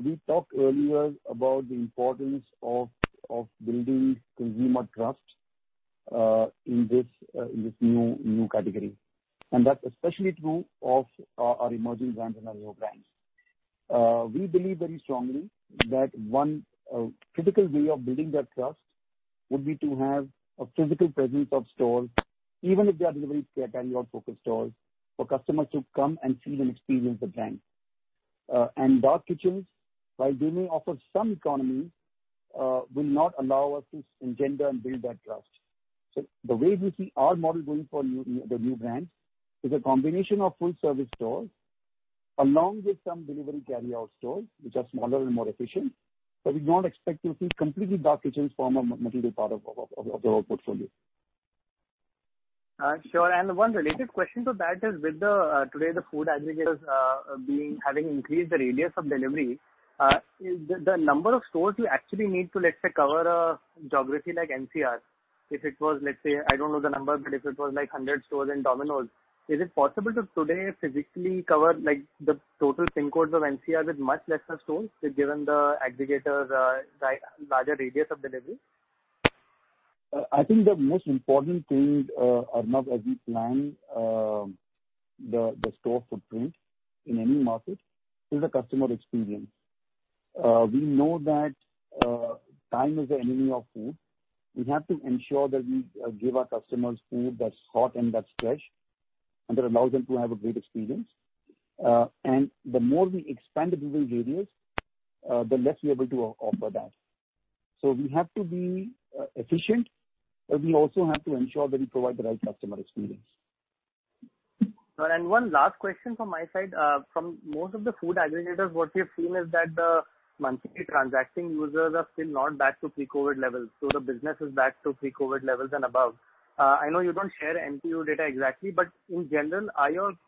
we talked earlier about the importance of building consumer trust in this new category. That's especially true of our emerging brands and our newer brands. We believe very strongly that one critical way of building that trust would be to have a physical presence of stores, even if they are delivery, carryout focus stores, for customers to come and see and experience the brand. Dark kitchens, while they may offer some economy will not allow us to engender and build that trust. The way we see our model going for the new brands is a combination of full-service stores along with some delivery carryout stores, which are smaller and more efficient. We don't expect to see completely dark kitchens form a material part of our portfolio. Sure. One related question to that is with today, the food aggregators having increased the radius of delivery, the number of stores you actually need to, let's say, cover a geography like NCR, if it was, let's say, I don't know the number, but if it was 100 stores in Domino's, is it possible to today physically cover the total PIN codes of NCR with much lesser stores given the aggregators' larger radius of delivery? I think the most important thing, Arnab, as we plan the store footprint in any market is the customer experience. We know that time is the enemy of food. We have to ensure that we give our customers food that's hot and that's fresh, and that allows them to have a great experience. The more we expand the delivery radius, the less we're able to offer that. We have to be efficient, but we also have to ensure that we provide the right customer experience. Sure. One last question from my side. From most of the food aggregators, what we have seen is that the monthly transacting users are still not back to pre-COVID levels, the business is back to pre-COVID levels and above. I know you don't share MTU data exactly, in general,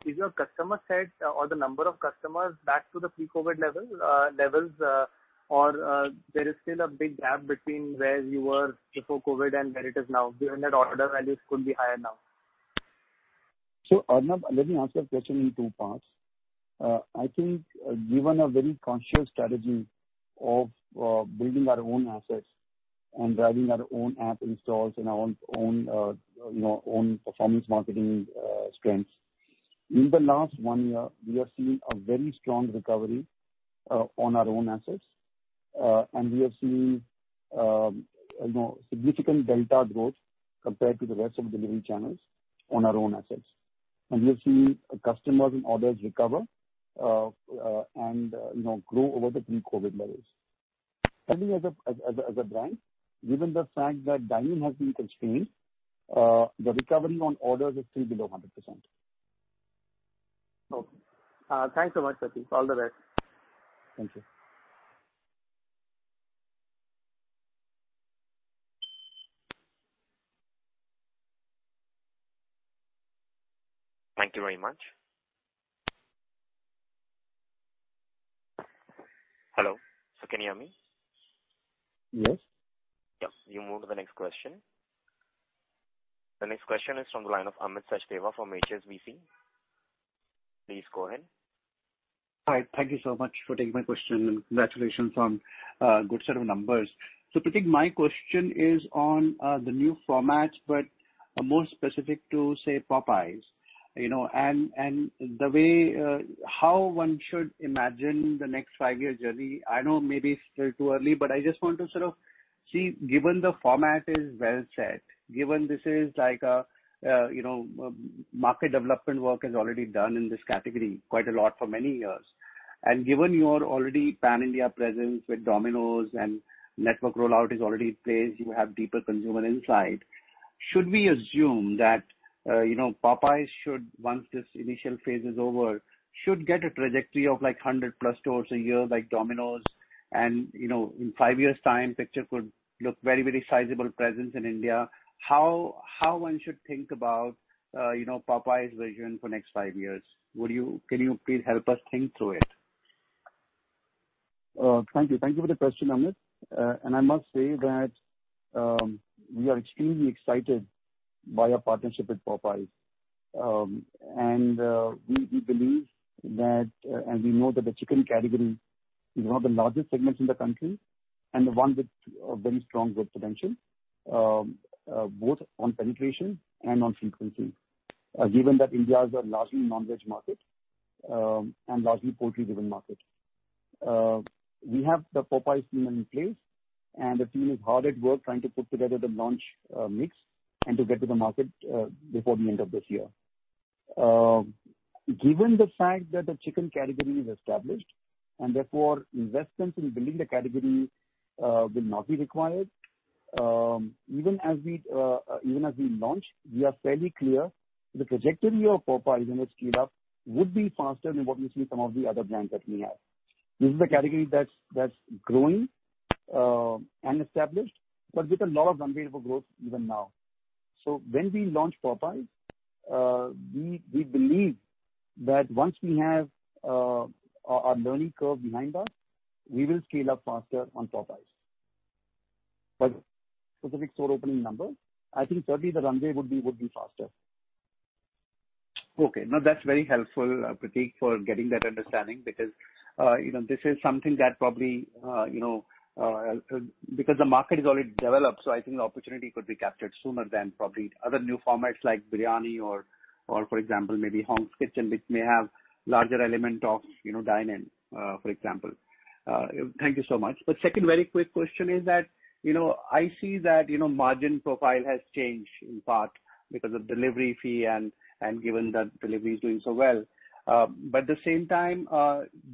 is your customer set or the number of customers back to the pre-COVID levels? There is still a big gap between where you were before COVID and where it is now, given that order values could be higher now? Arnab, let me answer your question in two parts. I think given a very conscious strategy of building our own assets and driving our own app installs and our own performance marketing strengths, in the last one year, we have seen a very strong recovery on our own assets. We have seen significant delta growth compared to the rest of delivery channels on our own assets. We have seen customers and orders recover and grow over the pre-COVID levels. I think as a brand, given the fact that dine-in has been constrained, the recovery on orders is still below 100%. Okay. Thanks so much, Pratik. All the best. Thank you. Thank you very much. Hello. Can you hear me? Yes. Yes. You move to the next question. The next question is from the line of Amit Sachdeva from HSBC. Please go ahead. Hi. Thank you so much for taking my question, congratulations on a good set of numbers. Pratik, my question is on the new formats, but more specific to, say, Popeyes, and how one should imagine the next five-year journey. I know maybe it's still too early, I just want to sort of see, given the format is well set, given this is like market development work is already done in this category quite a lot for many years, and given your already pan-India presence with Domino's and network rollout is already in place, you have deeper consumer insight. Should we assume that Popeyes, once this initial phase is over, should get a trajectory of 100 plus stores a year like Domino's, and in five years' time, picture could look very sizable presence in India. How one should think about Popeyes' vision for next five years. Can you please help us think through it? Thank you for the question, Amit, and I must say that we are extremely excited by our partnership with Popeyes. We believe that, and we know that the chicken category is one of the largest segments in the country and one with a very strong growth potential, both on penetration and on frequency. Given that India is a largely non-veg market and largely poultry-driven market. We have the Popeyes team in place, and the team is hard at work trying to put together the launch mix and to get to the market before the end of this year. Given the fact that the chicken category is established and therefore investments in building the category will not be required. Even as we launch, we are fairly clear the trajectory of Popeyes in its scale-up would be faster than what we see some of the other brands that we have. This is a category that's growing and established, but with a lot of run rate for growth even now. When we launch Popeyes, we believe that once we have our learning curve behind us, we will scale up faster on Popeyes. Specific store opening number, I think certainly the runway would be faster. Okay. No, that's very helpful, Pratik, for getting that understanding because this is something that probably because the market is already developed, so I think the opportunity could be captured sooner than probably other new formats like biryani or for example, maybe Hong's Kitchen, which may have larger element of dine-in, for example. Thank you so much. Second very quick question is that, I see that margin profile has changed in part because of delivery fee and given that delivery is doing so well. At the same time,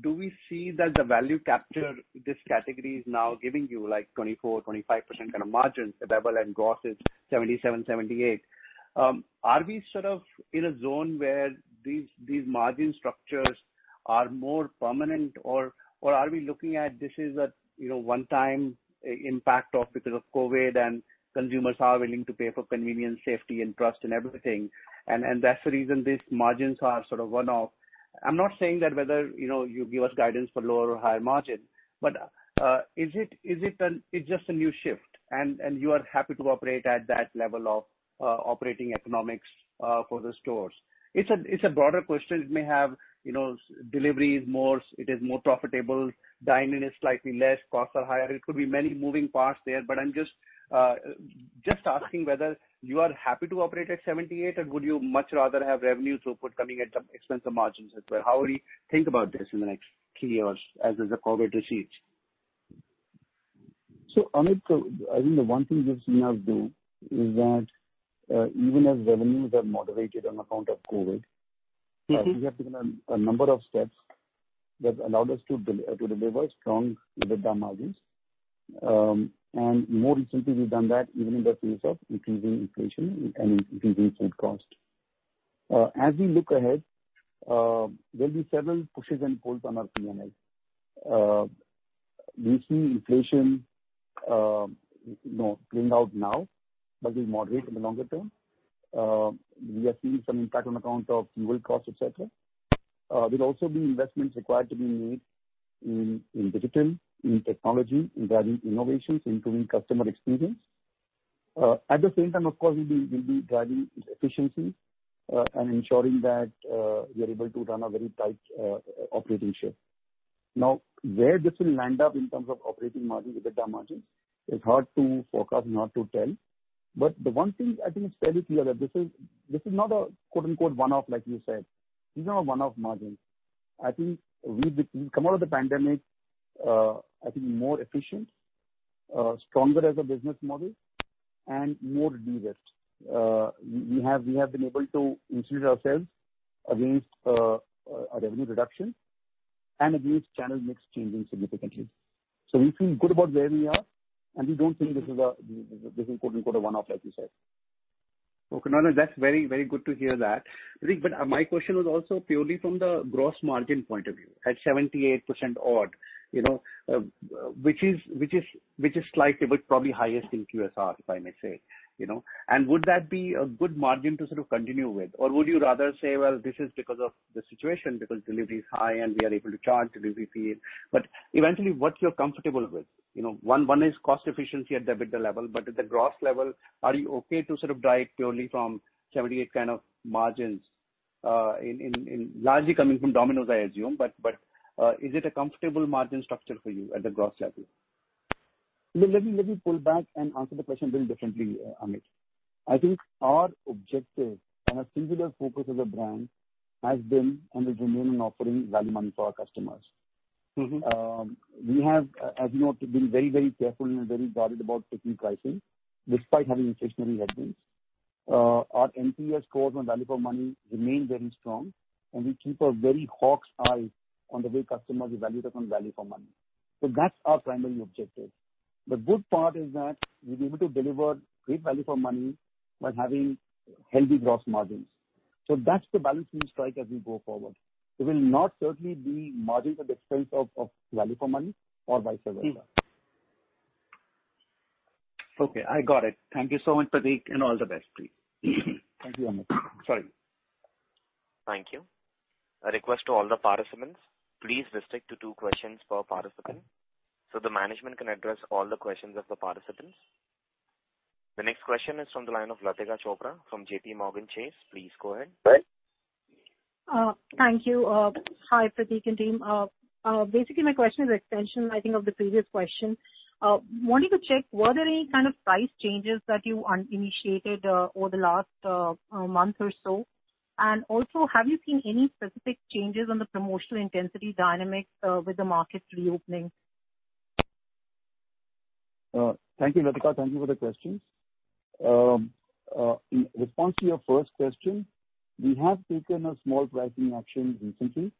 do we see that the value capture this category is now giving you 24%-25% kind of margins? The level and gross is 77%-78%. Are we sort of in a zone where these margin structures are more permanent or are we looking at this is a one-time impact of because of COVID and consumers are willing to pay for convenience, safety, and trust and everything, and that's the reason these margins are sort of one-off? I'm not saying that whether you give us guidance for lower or higher margin, but is it just a new shift, and you are happy to operate at that level of operating economics for the stores? It's a broader question. It may have delivery is more profitable, dine-in is slightly less, costs are higher. It could be many moving parts there, but I'm just asking whether you are happy to operate at 78 or would you much rather have revenues throughput coming at the expense of margins as well? How would you think about this in the next three years as the COVID recedes? Amit, I think the one thing we've seen us do is that even as revenues have moderated on account of COVID. We have taken a number of steps that allowed us to deliver strong EBITDA margins. More recently, we've done that even in the face of increasing inflation and increasing food cost. We look ahead, there'll be several pushes and pulls on our P&L. We see inflation playing out now, but will moderate in the longer term. We are seeing some impact on account of fuel costs, et cetera. There'll also be investments required to be made in digital, in technology, in driving innovations, improving customer experience. The same time, of course, we'll be driving efficiencies and ensuring that we are able to run a very tight operating ship. Now, where this will land up in terms of operating margin, EBITDA margin, is hard to forecast and hard to tell. The one thing I think it's fairly clear that this is not a "one-off" like you said. These are not one-off margins. I think we've come out of the pandemic, I think more efficient, stronger as a business model, and more de-risked. We have been able to insulate ourselves against a revenue reduction and against channel mix changing significantly. We feel good about where we are, and we don't think this is a "one-off," like you said. Okay. No, that's very good to hear that. My question was also purely from the gross margin point of view. At 78% odd, which is slightly, but probably highest in QSR, if I may say. Would that be a good margin to sort of continue with? Or would you rather say, well, this is because of the situation, because delivery is high, and we are able to charge delivery fee. Eventually, what you're comfortable with? One is cost efficiency at the EBITDA level, but at the gross level, are you okay to sort of drive purely from 78 kind of margins, largely coming from Domino's, I assume, but is it a comfortable margin structure for you at the gross level? Let me pull back and answer the question a little differently, Amit. I think our objective and our singular focus as a brand has been and is remaining offering value money for our customers. We have, as you know, been very careful and very guarded about taking pricing despite having inflationary headwinds. Our NPS scores on value for money remain very strong, and we keep a very hawk's eye on the way customers evaluate us on value for money. That's our primary objective. The good part is that we've been able to deliver great value for money while having healthy gross margins. That's the balance we strike as we go forward. It will not certainly be margins at the expense of value for money or vice versa. Okay, I got it. Thank you so much, Pratik, and all the best to you. Thank you very much. Sorry. Thank you. A request to all the participants. Please restrict to two questions per participant so the management can address all the questions of the participants. The next question is from the line of Latika Chopra from JPMorgan. Please go ahead. Right. Thank you. Hi, Pratik and team. Basically, my question is an extension, I think, of the previous question. Wanted to check, were there any kind of price changes that you initiated over the last month or so? Also, have you seen any specific changes on the promotional intensity dynamics with the market reopening? Thank you, Latika. Thank you for the questions. In response to your first question, we have taken a small pricing action recently,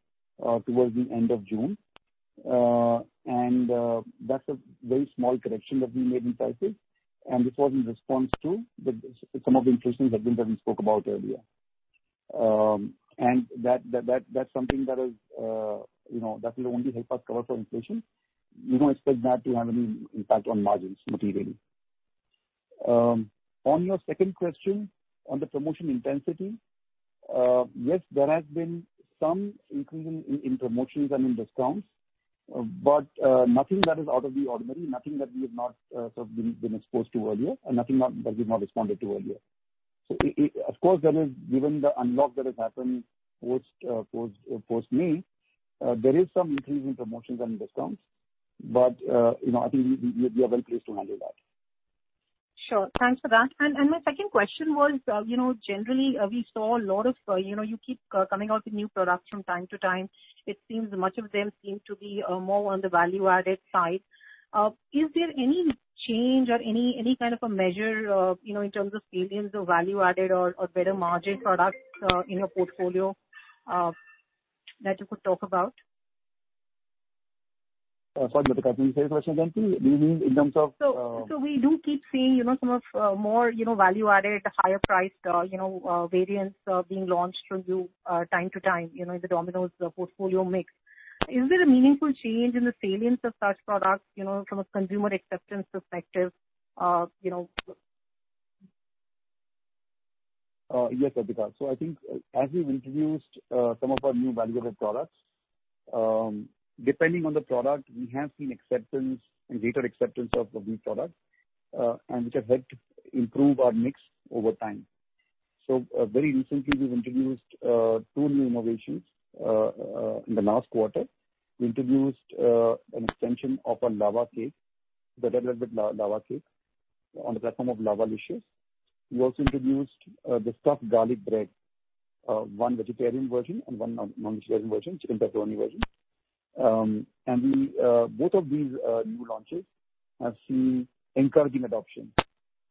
towards the end of June. That's a very small correction that we made in prices, and this was in response to some of the inflations that Bindresh spoke about earlier. That's something that will only help us cover for inflation. We don't expect that to have any impact on margins materially. On your second question, on the promotion intensity, yes, there has been some increase in promotions and in discounts. Nothing that is out of the ordinary, nothing that we have not been exposed to earlier, and nothing that we've not responded to earlier. Of course, given the unlock that has happened post May, there is some increase in promotions and discounts, but I think we are well-placed to handle that. Sure. Thanks for that. My second question was, generally, you keep coming out with new products from time to time. It seems much of them seem to be more on the value-added side. Is there any change or any kind of a measure in terms of salience of value added or better margin products in your portfolio that you could talk about? Sorry, Latika, can you say the question again, please? Do you mean in terms of- We do keep seeing some of more value-added, higher-priced variants being launched from you time to time in the Domino's portfolio mix. Is there a meaningful change in the salience of such products from a consumer acceptance perspective? Yes, Latika. I think as we've introduced some of our new value-added products, depending on the product, we have seen acceptance and greater acceptance of the new product, and which has helped improve our mix over time. Very recently, we've introduced two new innovations in the last quarter. We introduced an extension of our lava cake, the lava cake on the platform of Lava-Licious. We also introduced the stuffed garlic bread, one vegetarian version and one non-vegetarian version, pepperoni version. Both of these new launches have seen encouraging adoption,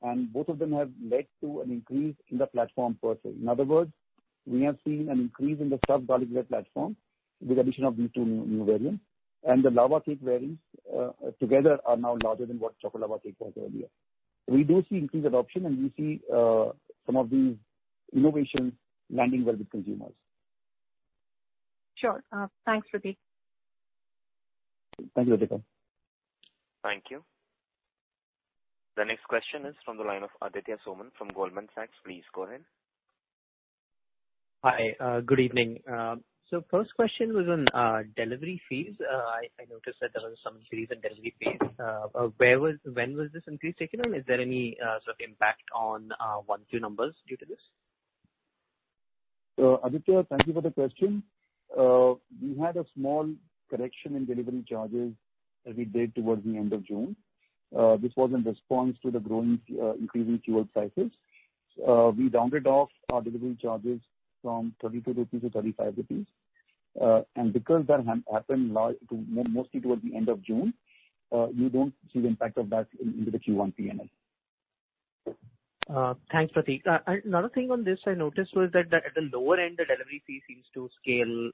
and both of them have led to an increase in the platform purchase. In other words, we have seen an increase in the stuffed garlic bread platform with addition of these two new variants, and the lava cake variants together are now larger than what chocolate lava cake was earlier. We do see increased adoption. We see some of these innovations landing well with consumers. Sure. Thanks, Pratik. Thank you, Latika. Thank you. The next question is from the line of Aditya Soman from Goldman Sachs. Please go ahead. Hi. Good evening. First question was on delivery fees. I noticed that there was some increase in delivery fees. When was this increase taken, and is there any sort of impact on one to two numbers due to this? Aditya, thank you for the question. We had a small correction in delivery charges that we did towards the end of June. This was in response to the increasing fuel prices. We rounded off our delivery charges from 32 rupees to 35 rupees. Because that happened mostly towards the end of June, we don't see the impact of that into the Q1 P&L. Thanks, Pratik. Another thing on this I noticed was that at the lower end, the delivery fee seems to scale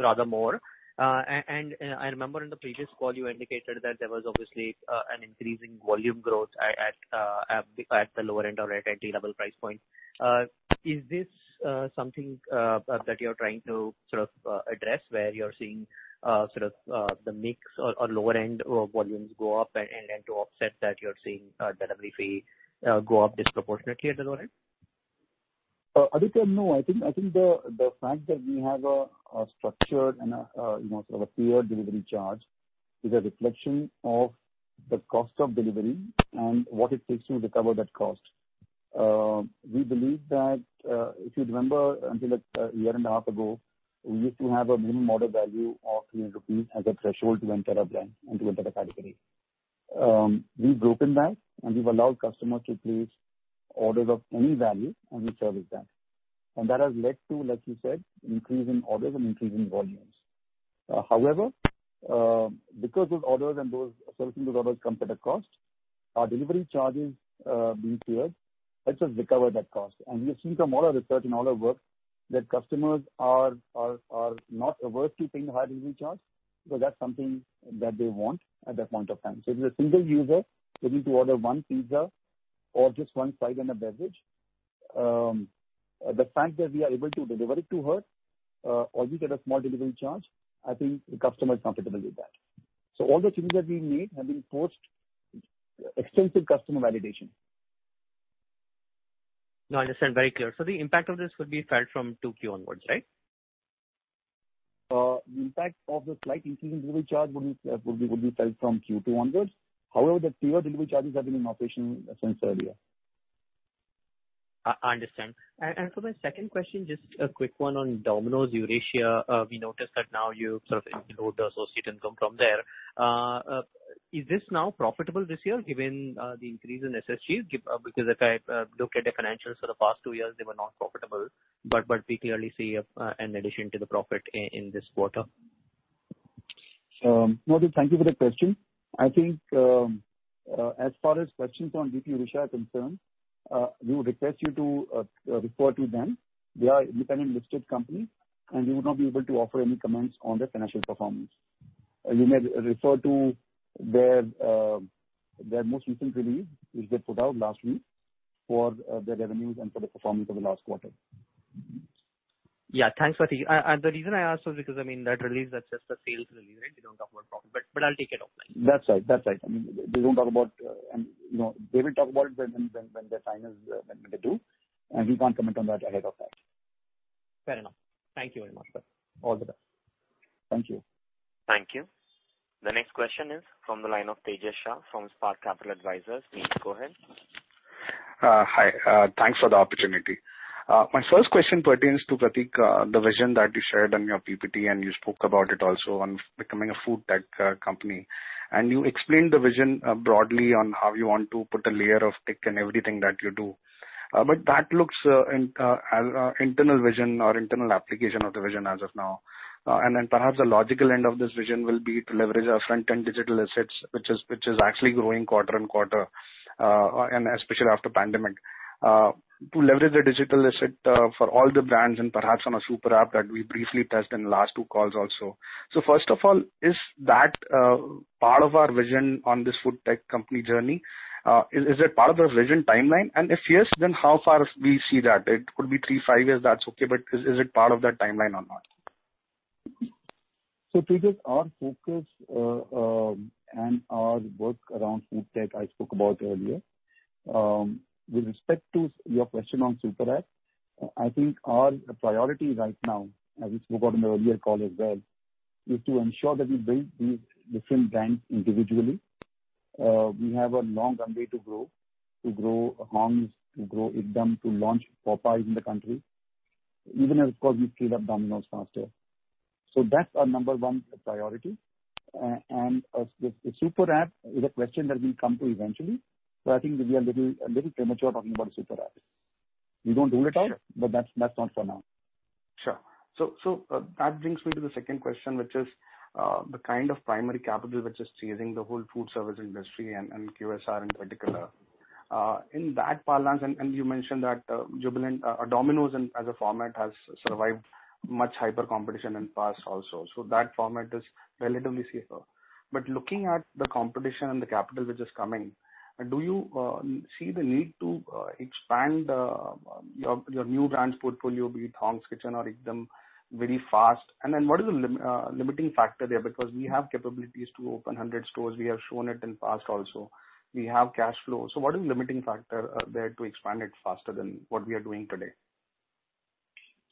rather more. I remember in the previous call, you indicated that there was obviously an increase in volume growth at the lower end or at entry-level price point. Is this something that you're trying to address, where you're seeing the mix or lower-end volumes go up, then to offset that, you're seeing delivery fee go up disproportionately at the lower end? Aditya, no. I think the fact that we have a structured and a sort of a tiered delivery charge is a reflection of the cost of delivery and what it takes to recover that cost. We believe that, if you remember until a year and a half ago, we used to have a minimum order value of 300 rupees as a threshold to enter a blank and to enter the category. We've broken that, and we've allowed customers to place orders of any value, and we service that. That has led to, like you said, increase in orders and increase in volumes. However, because those orders come at a cost. Our delivery charges being tiered, let's just recover that cost. We have seen from all our research and all our work that customers are not averse to paying the high delivery charge because that's something that they want at that point of time. If you're a single user looking to order one pizza or just one side and a beverage, the fact that we are able to deliver it to her, all we get a small delivery charge, I think the customer is comfortable with that. All the changes that we made have been post extensive customer validation. No, I understand. Very clear. The impact of this would be felt from 2Q onwards, right? The impact of the slight increase in delivery charge would be felt from Q2 onwards. However, the clear delivery charges have been in operation since earlier. I understand. For my second question, just a quick one on Domino's Eurasia. We noticed that now you sort of include the associate income from there. Is this now profitable this year given the increase in SSG? If I look at the financials for the past two years, they were not profitable. We clearly see an addition to the profit in this quarter. Thank you for the question. I think, as far as questions on DP Eurasia are concerned, we would request you to refer to them. They are independent listed company, and we would not be able to offer any comments on their financial performance. You may refer to their most recent release, which they put out last week for their revenues and for the performance of the last quarter. Yeah, thanks, Pratik. The reason I ask is because that release, that's just a sales release, right? They don't talk about profit, I'll take it offline. That's right. They will talk about it when they're signed as, when they do, and we can't comment on that ahead of that. Fair enough. Thank you very much, sir. All the best. Thank you. Thank you. The next question is from the line of Tejas Shah from Spark Capital Advisors. Please go ahead. Hi. Thanks for the opportunity. My first question pertains to, Pratik, the vision that you shared on your PPT, and you spoke about it also on becoming a food tech company. You explained the vision broadly on how you want to put a layer of tech in everything that you do. That looks internal vision or internal application of the vision as of now. Perhaps the logical end of this vision will be to leverage our front-end digital assets, which is actually growing quarter and quarter, and especially after pandemic, to leverage the digital asset for all the brands and perhaps on a super app that we briefly tested in the last two calls also. First of all, is that part of our vision on this food tech company journey? Is it part of the vision timeline? If yes, how far we see that? It could be three to five years, that's okay. Is it part of that timeline or not? Tejas, our focus and our work around food tech I spoke about earlier. With respect to your question on super app, I think our priority right now, as we spoke on the earlier call as well, is to ensure that we build these different brands individually. We have a long runway to grow, to grow Hong's, to grow Ekdum, to launch Popeyes in the country, even as we scale up Domino's faster. That's our number one priority. The super app is a question that we'll come to eventually, but I think we are a little premature talking about a super app. We don't rule it out, but that's not for now. Sure. That brings me to the second question, which is the kind of primary capital which is chasing the whole food service industry and QSR in particular. In that parlance, you mentioned that Domino's as a format has survived much hyper competition in past also. That format is relatively safer. Looking at the competition and the capital which is coming, do you see the need to expand your new brands portfolio, be it Hong's Kitchen or Ekdum, very fast? What is the limiting factor there? Because we have capabilities to open 100 stores. We have shown it in past also. We have cash flow. What is limiting factor there to expand it faster than what we are doing today?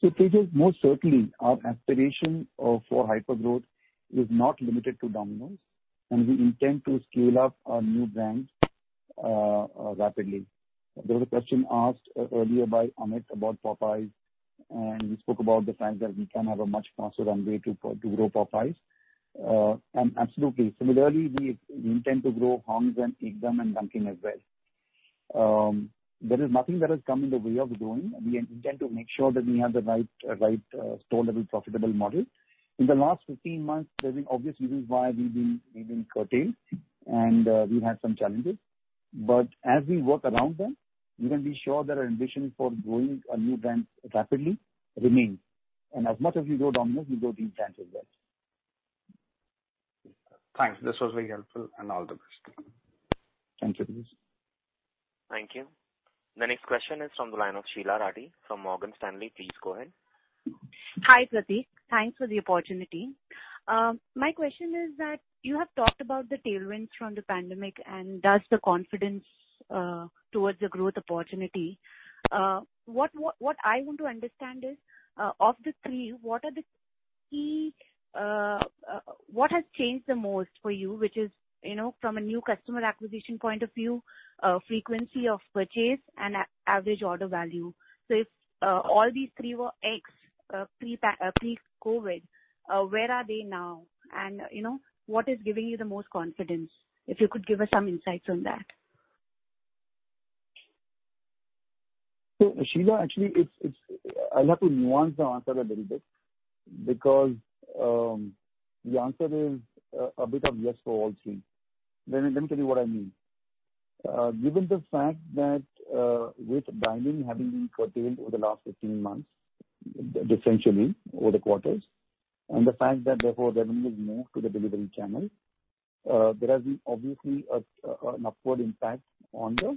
Tejas, most certainly our aspiration for hypergrowth is not limited to Domino's, and we intend to scale up our new brands rapidly. There was a question asked earlier by Amit about Popeyes, and we spoke about the fact that we can have a much faster runway to grow Popeyes. Absolutely. Similarly, we intend to grow Hong's and Ekdum and Dunkin' as well. There is nothing that has come in the way of growing. We intend to make sure that we have the right store level profitable model. In the last 15 months, there's been obvious reasons why we've been curtailed and we had some challenges, but as we work around them, you can be sure that our ambition for growing our new brands rapidly remains. As much as we grow Domino's, we grow these brands as well. Thanks. This was very helpful and all the best. Thank you, Tejas. Thank you. The next question is from the line of Sheela Rathi from Morgan Stanley. Please go ahead. Hi, Pratik. Thanks for the opportunity. My question is that you have talked about the tailwinds from the pandemic and thus the confidence towards the growth opportunity. What I want to understand is, of the three, what has changed the most for you, which is from a new customer acquisition point of view, frequency of purchase and average order value? If all these three were X pre-COVID, where are they now? What is giving you the most confidence? If you could give us some insights on that. Sheela, actually, I'll have to nuance the answer a little bit because the answer is a bit of yes for all three. Let me tell you what I mean. Given the fact that with dining having been curtailed over the last 15 months, differentially over the quarters, and the fact that therefore revenue has moved to the delivery channel, there has been obviously an upward impact on the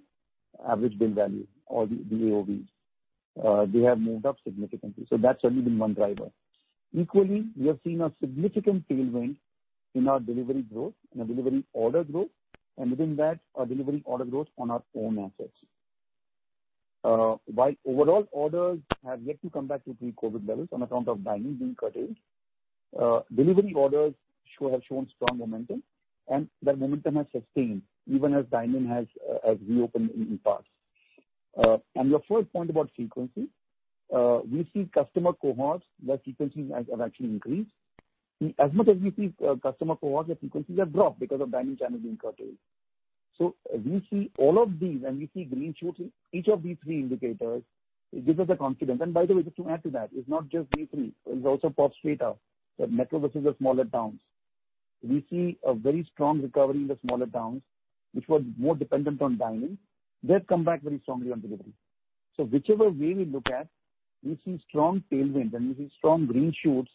average bill value or the AOV. They have moved up significantly, that's certainly been one driver. Equally, we have seen a significant tailwind in our delivery growth and our delivery order growth, and within that, our delivery order growth on our own assets. While overall orders have yet to come back to pre-COVID levels on account of dining being curtailed, delivery orders have shown strong momentum, and that momentum has sustained even as dining has reopened in parts. Your first point about frequency, we see customer cohorts where frequencies have actually increased. As much as we see customer cohorts where frequencies have dropped because of dining channels being curtailed. We see all of these, and we see green shoots in each of these three indicators. It gives us the confidence. By the way, just to add to that, it's not just these three. There's also pops data that metro versus the smaller towns. We see a very strong recovery in the smaller towns, which were more dependent on dining. They've come back very strongly on delivery. Whichever way we look at, we see strong tailwind and we see strong green shoots,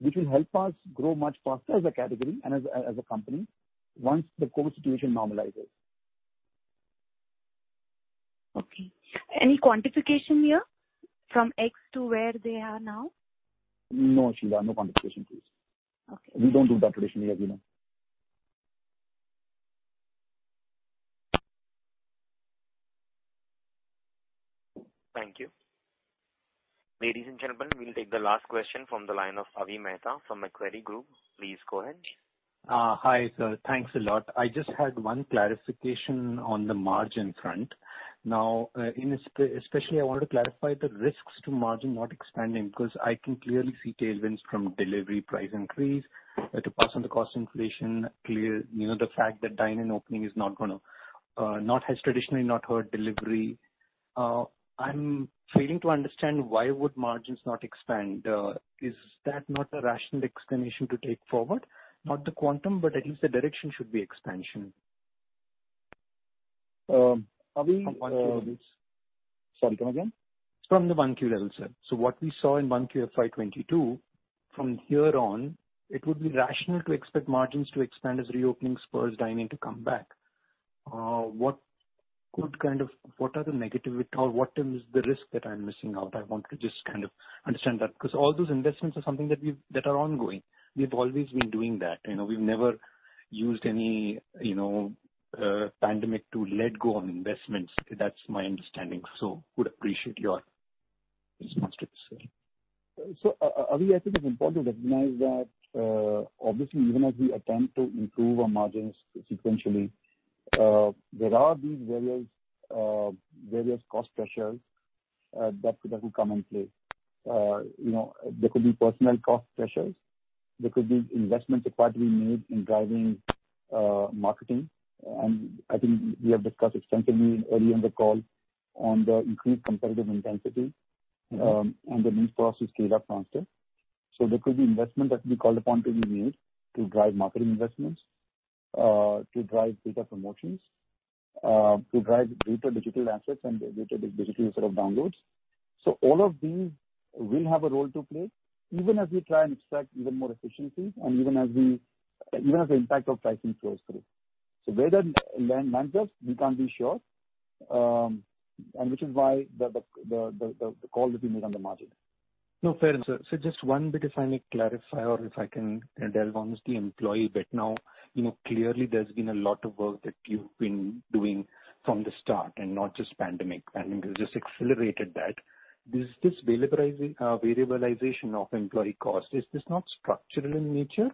which will help us grow much faster as a category and as a company once the COVID situation normalizes. Okay. Any quantification here from X to where they are now? No, Sheela, no quantification, please. Okay. We don't do that traditionally, as you know. Thank you. Ladies and gentlemen, we will take the last question from the line of Avi Mehta from Macquarie Group. Please go ahead. Hi, sir. Thanks a lot. I just had 1 clarification on the margin front. Now, especially, I want to clarify the risks to margin not expanding, because I can clearly see tailwinds from delivery price increase to pass on the cost inflation clear, the fact that dine-in opening has traditionally not hurt delivery. I'm failing to understand why would margins not expand. Is that not a rational explanation to take forward? Not the quantum, but at least the direction should be expansion. Avi- From 1Q levels. Sorry, come again? From the 1Q level, sir. What we saw in 1Q FY 2022, from here on, it would be rational to expect margins to expand as reopening spurs dining to come back. What are the negativity or what is the risk that I'm missing out? I want to just kind of understand that, because all those investments are something that are ongoing. We've always been doing that. We've never used any pandemic to let go of investments. That's my understanding. Would appreciate your response to this, sir. Avi, I think it's important to recognize that obviously even as we attempt to improve our margins sequentially, there are these various cost pressures that could come in play. There could be personnel cost pressures, there could be investment required to be made in driving marketing, and I think we have discussed extensively early in the call on the increased competitive intensity and the need for us to scale up faster. There could be investment that we call upon to be made to drive marketing investments, to drive bigger promotions, to drive greater digital assets and greater digital sort of downloads. All of these will have a role to play, even as we try and extract even more efficiencies, and even as the impact of pricing flows through. Where that land manages, we can't be sure, and which is why the call will be made on the margin. No, fair enough, sir. Just one bit, if I may clarify or if I can delve on is the employee bit now. Clearly there's been a lot of work that you've been doing from the start and not just pandemic. Pandemic has just accelerated that. This variabilization of employee cost, is this not structural in nature?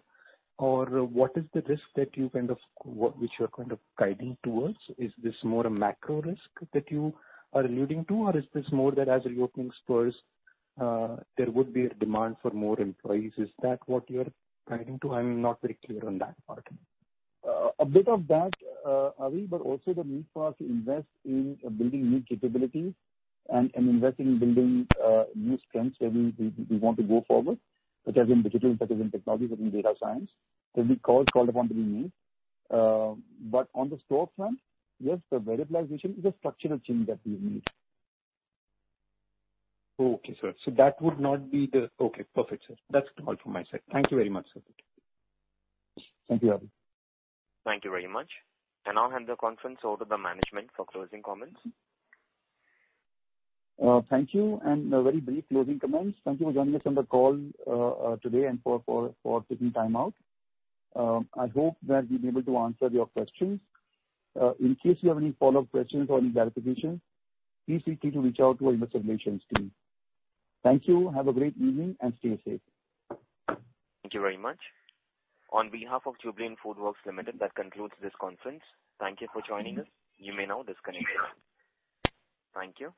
Or what is the risk which you're kind of guiding towards? Is this more a macro risk that you are alluding to? Or is this more that as reopening spurs, there would be a demand for more employees? Is that what you're guiding to? I'm not very clear on that part. A bit of that, Avi, also the need for us to invest in building new capabilities and invest in building new strengths where we want to go forward, such as in digital, such as in technology, such as in data science. There'll be calls called upon to be made. On the store front, yes, the variabilization is a structural change that we need. Okay, sir. Okay, perfect, sir. That's all from my side. Thank you very much, sir. Thank you, Avi. Thank you very much. I now hand the conference over to management for closing comments. Thank you, and a very brief closing comments. Thank you for joining us on the call today and for taking time out. I hope that we've been able to answer your questions. In case you have any follow-up questions or any clarifications, please feel free to reach out to our investor relations team. Thank you. Have a great evening and stay safe. Thank you very much. On behalf of Jubilant FoodWorks Limited, that concludes this conference. Thank you for joining us. You may now disconnect your call. Thank you.